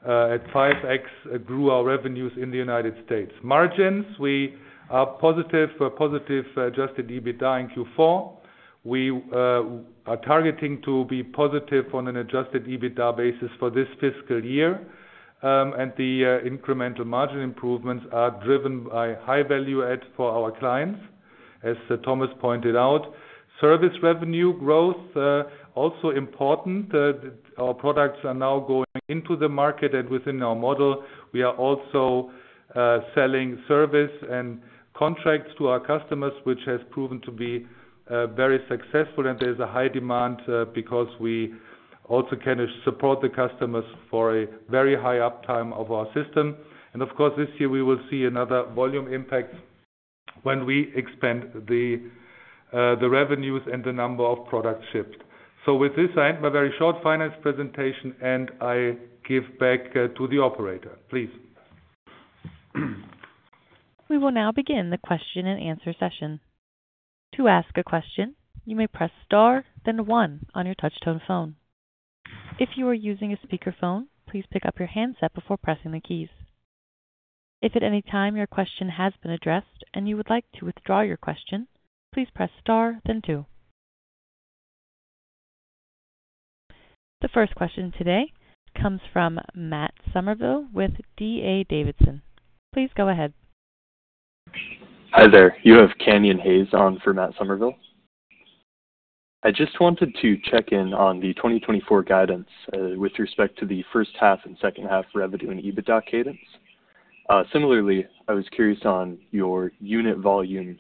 at 5x grew our revenues in the United States. Margins, we are positive for a positive adjusted EBITDA in Q4. We are targeting to be positive on an adjusted EBITDA basis for this fiscal year. And the incremental margin improvements are driven by high value add for our clients, as Thomas pointed out. Service revenue growth also important, our products are now going into the market, and within our model, we are also selling service and contracts to our customers, which has proven to be very successful. And there's a high demand because we also can support the customers for a very high uptime of our system. And of course, this year we will see another volume impact when we expand the revenues and the number of products shipped. With this, I end my very short finance presentation, and I give back to the operator, please. We will now begin the question and answer session. To ask a question, you may press Star, then one on your touchtone phone. If you are using a speakerphone, please pick up your handset before pressing the keys. If at any time your question has been addressed and you would like to withdraw your question, please press Star, then two. The first question today comes from Matt Somerville with DA Davidson. Please go ahead. Hi there. You have Canyon Hays on for Matt Somerville. I just wanted to check in on the 2024 guidance, with respect to the first half and second half revenue and EBITDA cadence. Similarly, I was curious on your unit volume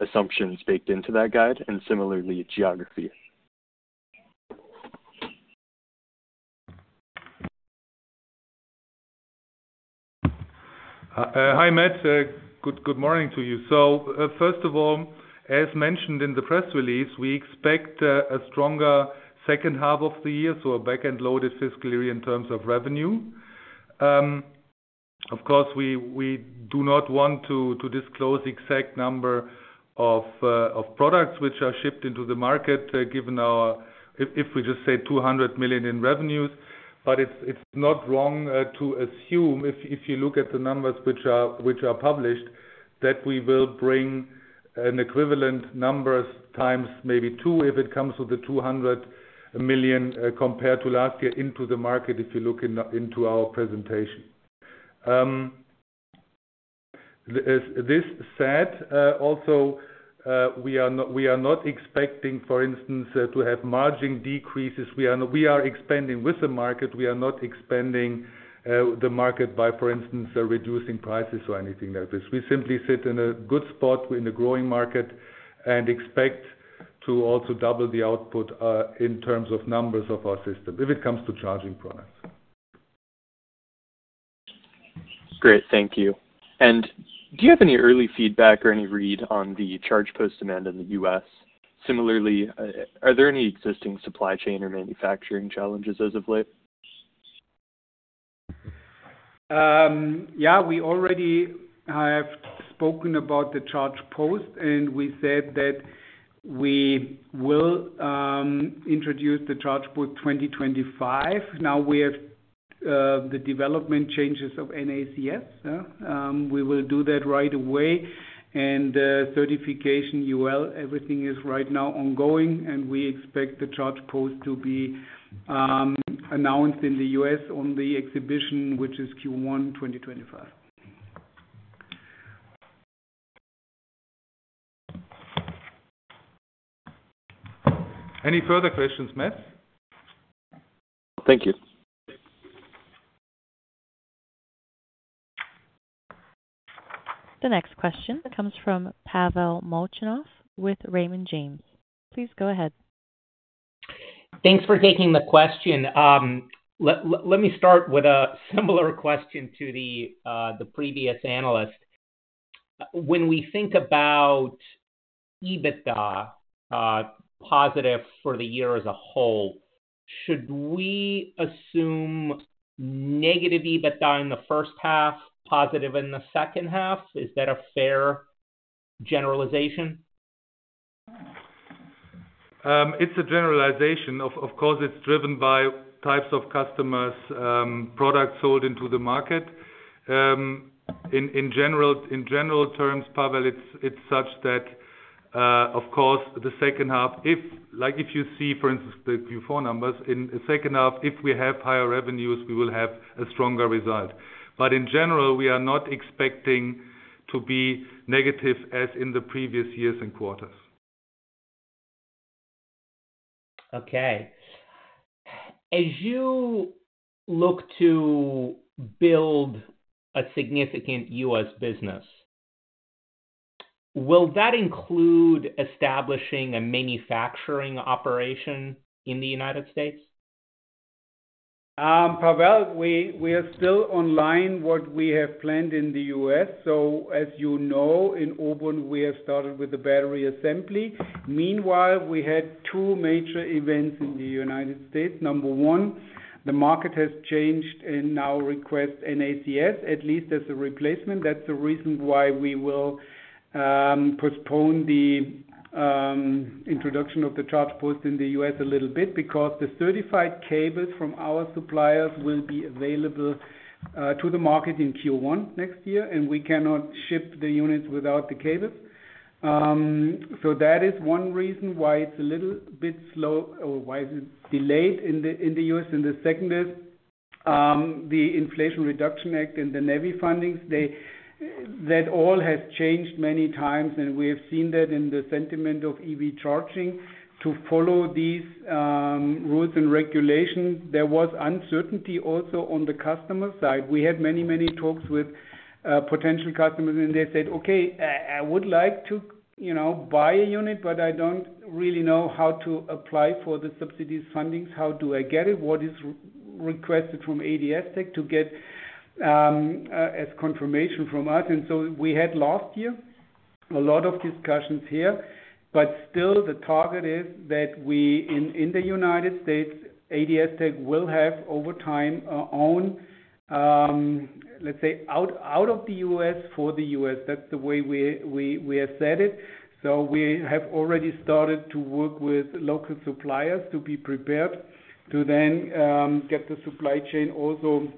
assumptions baked into that guide, and similarly, geography. Hi, Matt. Good morning to you. So, first of all, as mentioned in the press release, we expect a stronger second half of the year, so a back-end loaded fiscal year in terms of revenue. Of course, we do not want to disclose exact number of products which are shipped into the market, given our—if we just say 200 million in revenues. But it's not wrong to assume, if you look at the numbers which are published, that we will bring an equivalent numbers times maybe two, if it comes with the 200 million, compared to last year into the market, if you look into our presentation. Also, we are not expecting, for instance, to have margin decreases. We are expanding with the market, we are not expanding the market by, for instance, reducing prices or anything like this. We simply sit in a good spot in the growing market and expect to also double the output in terms of numbers of our system, if it comes to charging products. Great, thank you. And do you have any early feedback or any read on the ChargePost demand in the U.S? Similarly, are there any existing supply chain or manufacturing challenges as of late? Yeah, we already have spoken about the ChargePost, and we said that we will introduce the ChargePost 2025. Now, we have the development changes of NACS, we will do that right away. And certification, UL, everything is right now ongoing, and we expect the ChargePost to be announced in the U.S. on the exhibition, which is Q1 2025. Any further questions, Matt? Thank you. The next question comes from Pavel Molchanov, with Raymond James. Please go ahead. Thanks for taking the question. Let me start with a similar question to the previous analyst. When we think about EBITDA positive for the year as a whole, should we assume negative EBITDA in the first half, positive in the second half? Is that a fair generalization? It's a generalization. Of course, it's driven by types of customers, products sold into the market. In general terms, Pavel, it's such that, of course, the second half—like, if you see, for instance, the Q4 numbers—in the second half, if we have higher revenues, we will have a stronger result. But in general, we are not expecting to be negative as in the previous years and quarters. Okay. As you look to build a significant U.S. business, will that include establishing a manufacturing operation in the United States? Pavel, we are still online with what we have planned in the U.S., So as you know, in Auburn, we have started with the battery assembly. Meanwhile, we had two major events in the United States. Number one, the market has changed and now requests NACS, at least as a replacement. That's the reason why we will postpone the introduction of the ChargePost in the U.S., a little bit, because the certified cables from our suppliers will be available to the market in Q1 next year, and we cannot ship the units without the cables. So that is one reason why it's a little bit slow or why it's delayed in the U.S., And the second is, the Inflation Reduction Act and the NEVI fundings, they... That all has changed many times, and we have seen that in the sentiment of EV charging. To follow these rules and regulations, there was uncertainty also on the customer side. We had many, many talks with potential customers, and they said, "Okay, I, I would like to, you know, buy a unit, but I don't really know how to apply for the subsidies fundings. How do I get it? What is r-... requested from ADS-TEC to get, as confirmation from us. And so we had last year, a lot of discussions here, but still the target is that we in, in the United States, ADS-TEC will have over time, own, let's say, out, out of the U.S., for the U.S., That's the way we, we, we have said it. So we have already started to work with local suppliers to be prepared to then, get the supply chain also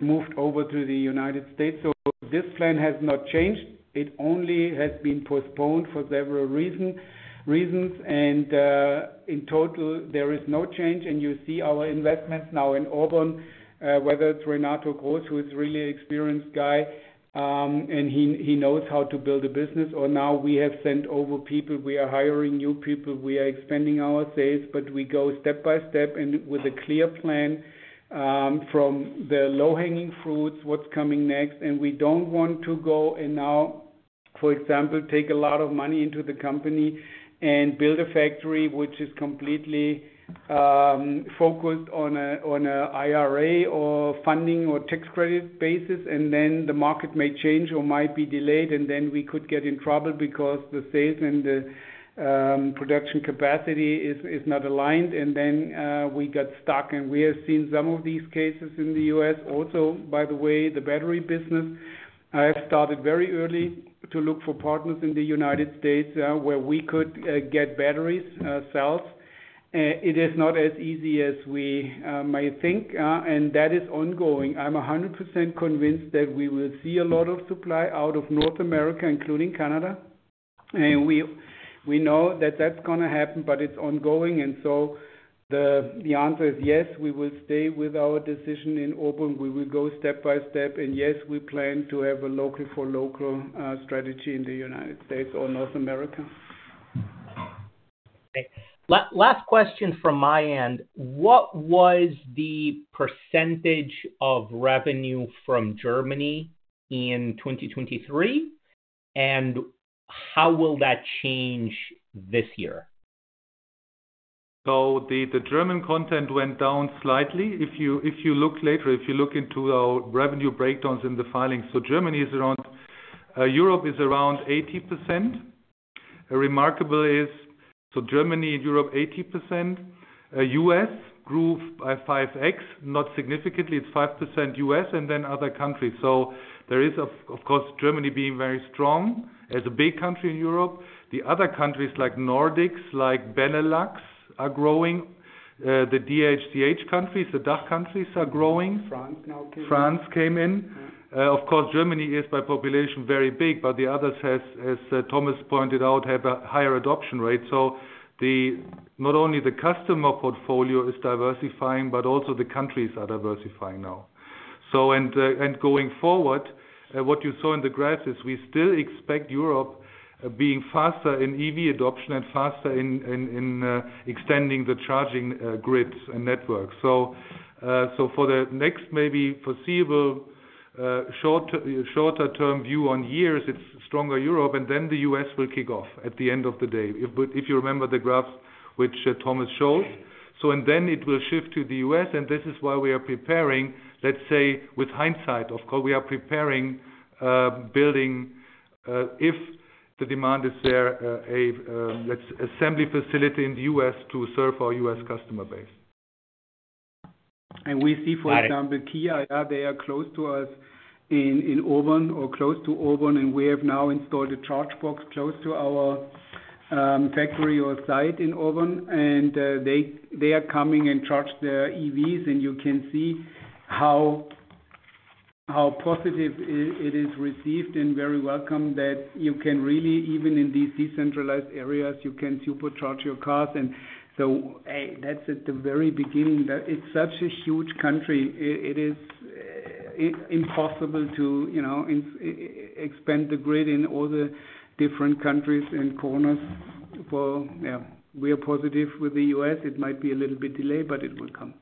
moved over to the United States. So this plan has not changed. It only has been postponed for several reason, reasons, and, in total, there is no change. And you see our investments now in Auburn, whether it's Renato Gross, who is a really experienced guy, and he, he knows how to build a business, or now we have sent over people. We are hiring new people. We are expanding our sales, but we go step by step and with a clear plan, from the low-hanging fruits, what's coming next, and we don't want to go and now, for example, take a lot of money into the company and build a factory which is completely focused on a IRA or funding or tax credit basis, and then the market may change or might be delayed, and then we could get in trouble because the sales and the production capacity is not aligned. And then we got stuck, and we have seen some of these cases in the U.S. Also, by the way, the battery business, I started very early to look for partners in the United States, where we could get batteries, cells. It is not as easy as we might think, and that is ongoing. I'm 100% convinced that we will see a lot of supply out of North America, including Canada, and we know that that's gonna happen, but it's ongoing. And so the answer is yes, we will stay with our decision in Auburn. We will go step by step. And yes, we plan to have a local for local strategy in the United States or North America. Okay. Last question from my end: what was the percentage of revenue from Germany in 2023? And how will that change this year? So the German content went down slightly. If you look later into our revenue breakdowns in the filings, so Germany is around, Europe is around 80%. Remarkable is, so Germany, Europe, 80%. U.S., grew by 5x, not significantly. It's 5% U.S., and then other countries. So there is, of course, Germany being very strong as a big country in Europe. The other countries, like Nordics, like Benelux, are growing. The DACH countries, the DACH countries, are growing. France now came in. France came in. Of course, Germany is, by population, very big, but the others has, as Thomas pointed out, have a higher adoption rate. So, not only the customer portfolio is diversifying, but also the countries are diversifying now. So, and going forward, what you saw in the graphs is we still expect Europe being faster in EV adoption and faster in extending the charging grids and networks. So, so for the next maybe foreseeable, short, shorter term view on years, it's stronger Europe, and then the U.S. will kick off at the end of the day. But if you remember the graph which Thomas showed. And then it will shift to the U.S., and this is why we are preparing, let's say, with hindsight, of course, we are preparing building, if the demand is there, a light assembly facility in the U.S. to serve our U.S. customer base. We see, for example, Kia. They are close to us in Auburn or close to Auburn, and we have now installed a ChargeBox close to our factory or site in Auburn, and they are coming and charge their EVs. You can see how positive it is received and very welcome that you can really, even in these decentralized areas, you can supercharge your cars. So, that's at the very beginning. That it's such a huge country. It is impossible to, you know, expand the grid in all the different countries and corners for... Yeah, we are positive with the U.S. It might be a little bit delayed, but it will come.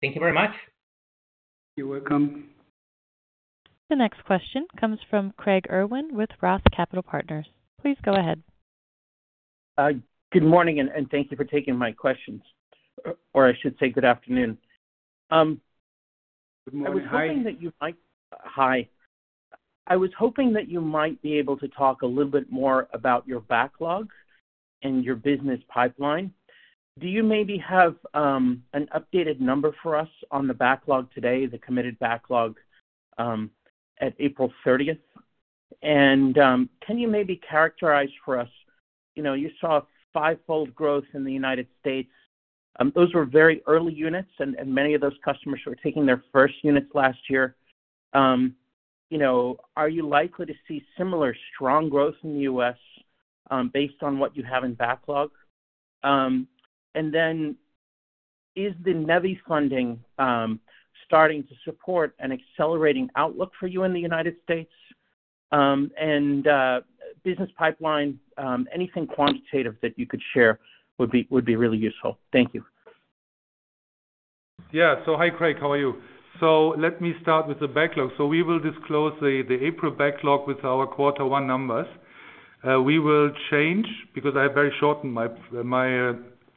Thank you very much. You're welcome. The next question comes from Craig Irwin with Roth Capital Partners. Please go ahead. Good morning, and thank you for taking my questions, or I should say good afternoon. Good morning. Hi. Hi. I was hoping that you might be able to talk a little bit more about your backlogs and your business pipeline. Do you maybe have an updated number for us on the backlog today, the committed backlog, at April 30th? And can you maybe characterize for us, you know, you saw fivefold growth in the United States. Those were very early units, and many of those customers were taking their first units last year. You know, are you likely to see similar strong growth in the U.S., based on what you have in backlog? And then is the NEVI funding starting to support an accelerating outlook for you in the United States? And business pipeline, anything quantitative that you could share would be really useful. Thank you.... Yeah. So hi, Craig, how are you? So let me start with the backlog. So we will disclose the April backlog with our quarter one numbers. We will change, because I have very shortened my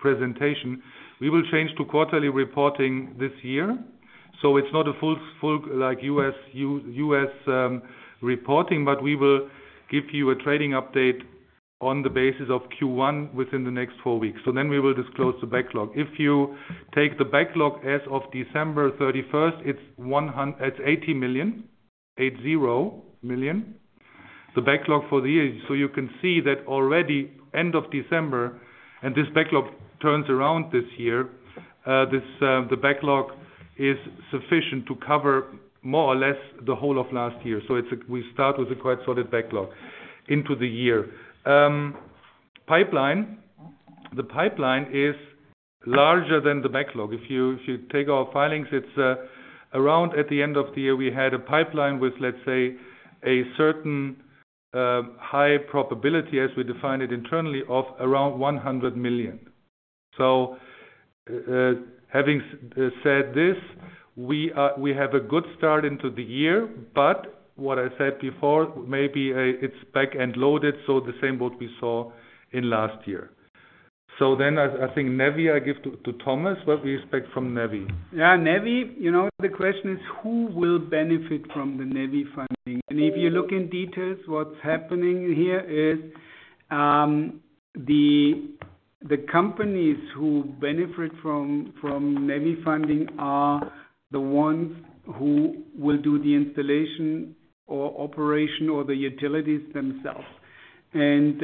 presentation. We will change to quarterly reporting this year, so it's not a full, full, like, U.S., reporting, but we will give you a trading update on the basis of Q1 within the next four weeks. So then we will disclose the backlog. If you take the backlog as of December 31, it's 80 million. The backlog for the year. So you can see that already end of December, and this backlog turns around this year, the backlog is sufficient to cover more or less the whole of last year. So we start with a quite solid backlog into the year. Pipeline. The pipeline is larger than the backlog. If you, if you take our filings, it's around at the end of the year, we had a pipeline with, let's say, a certain, high probability, as we define it internally, of around 100 million. So, having said this, we have a good start into the year, but what I said before, maybe, it's back-end loaded, so the same what we saw in last year. So then I think NEVI, I give to Thomas. What we expect from NEVI? Yeah, NEVI, you know, the question is who will benefit from the NEVI funding? And if you look in details, what's happening here is the companies who benefit from NEVI funding are the ones who will do the installation or operation or the utilities themselves. And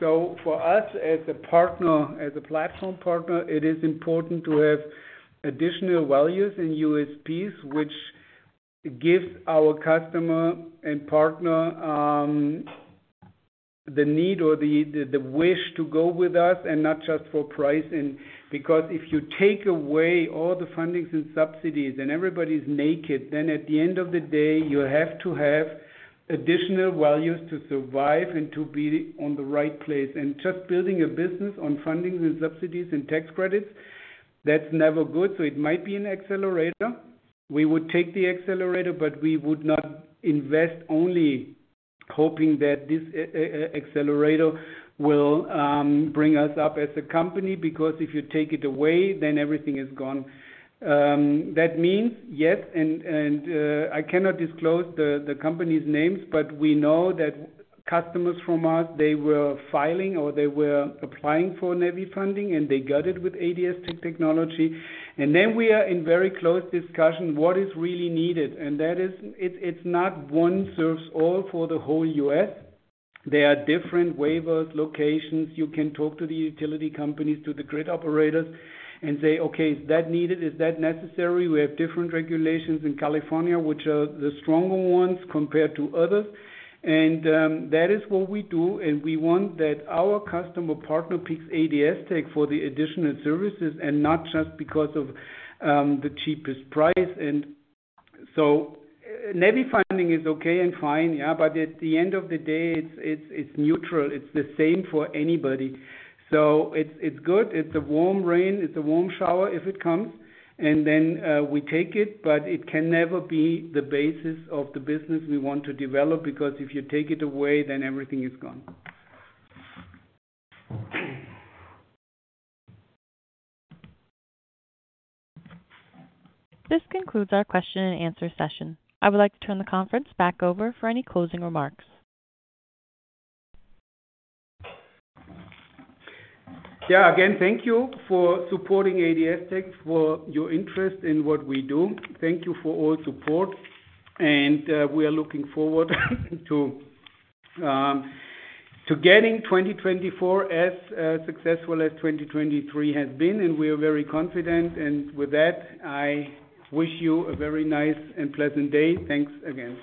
so for us, as a partner, as a platform partner, it is important to have additional values in USPs, which gives our customer and partner the need or the wish to go with us and not just for price. And because if you take away all the fundings and subsidies and everybody's naked, then at the end of the day, you have to have additional values to survive and to be on the right place. And just building a business on funding and subsidies and tax credits, that's never good. So it might be an accelerator. We would take the accelerator, but we would not invest, only hoping that this accelerator will bring us up as a company, because if you take it away, then everything is gone. That means, yes, and I cannot disclose the company's names, but we know that customers from us, they were filing or they were applying for NEVI funding, and they got it with ADS-TEC technology. And then we are in very close discussion, what is really needed, and that is it's not one serves all for the whole U.S. There are different waivers, locations. You can talk to the utility companies, to the grid operators, and say, "Okay, is that needed? Is that necessary? We have different regulations in California, which are the stronger ones compared to others." And that is what we do, and we want that our customer partner picks ADS-TEC for the additional services and not just because of the cheapest price. And so NEVI funding is okay and fine, yeah, but at the end of the day, it's, it's, it's neutral. It's the same for anybody. So it's, it's good. It's a warm rain, it's a warm shower if it comes, and then we take it, but it can never be the basis of the business we want to develop, because if you take it away, then everything is gone. This concludes our question and answer session. I would like to turn the conference back over for any closing remarks. Yeah. Again, thank you for supporting ADS-TEC, for your interest in what we do. Thank you for all support, and we are looking forward to getting 2024 as successful as 2023 has been, and we are very confident. And with that, I wish you a very nice and pleasant day. Thanks again.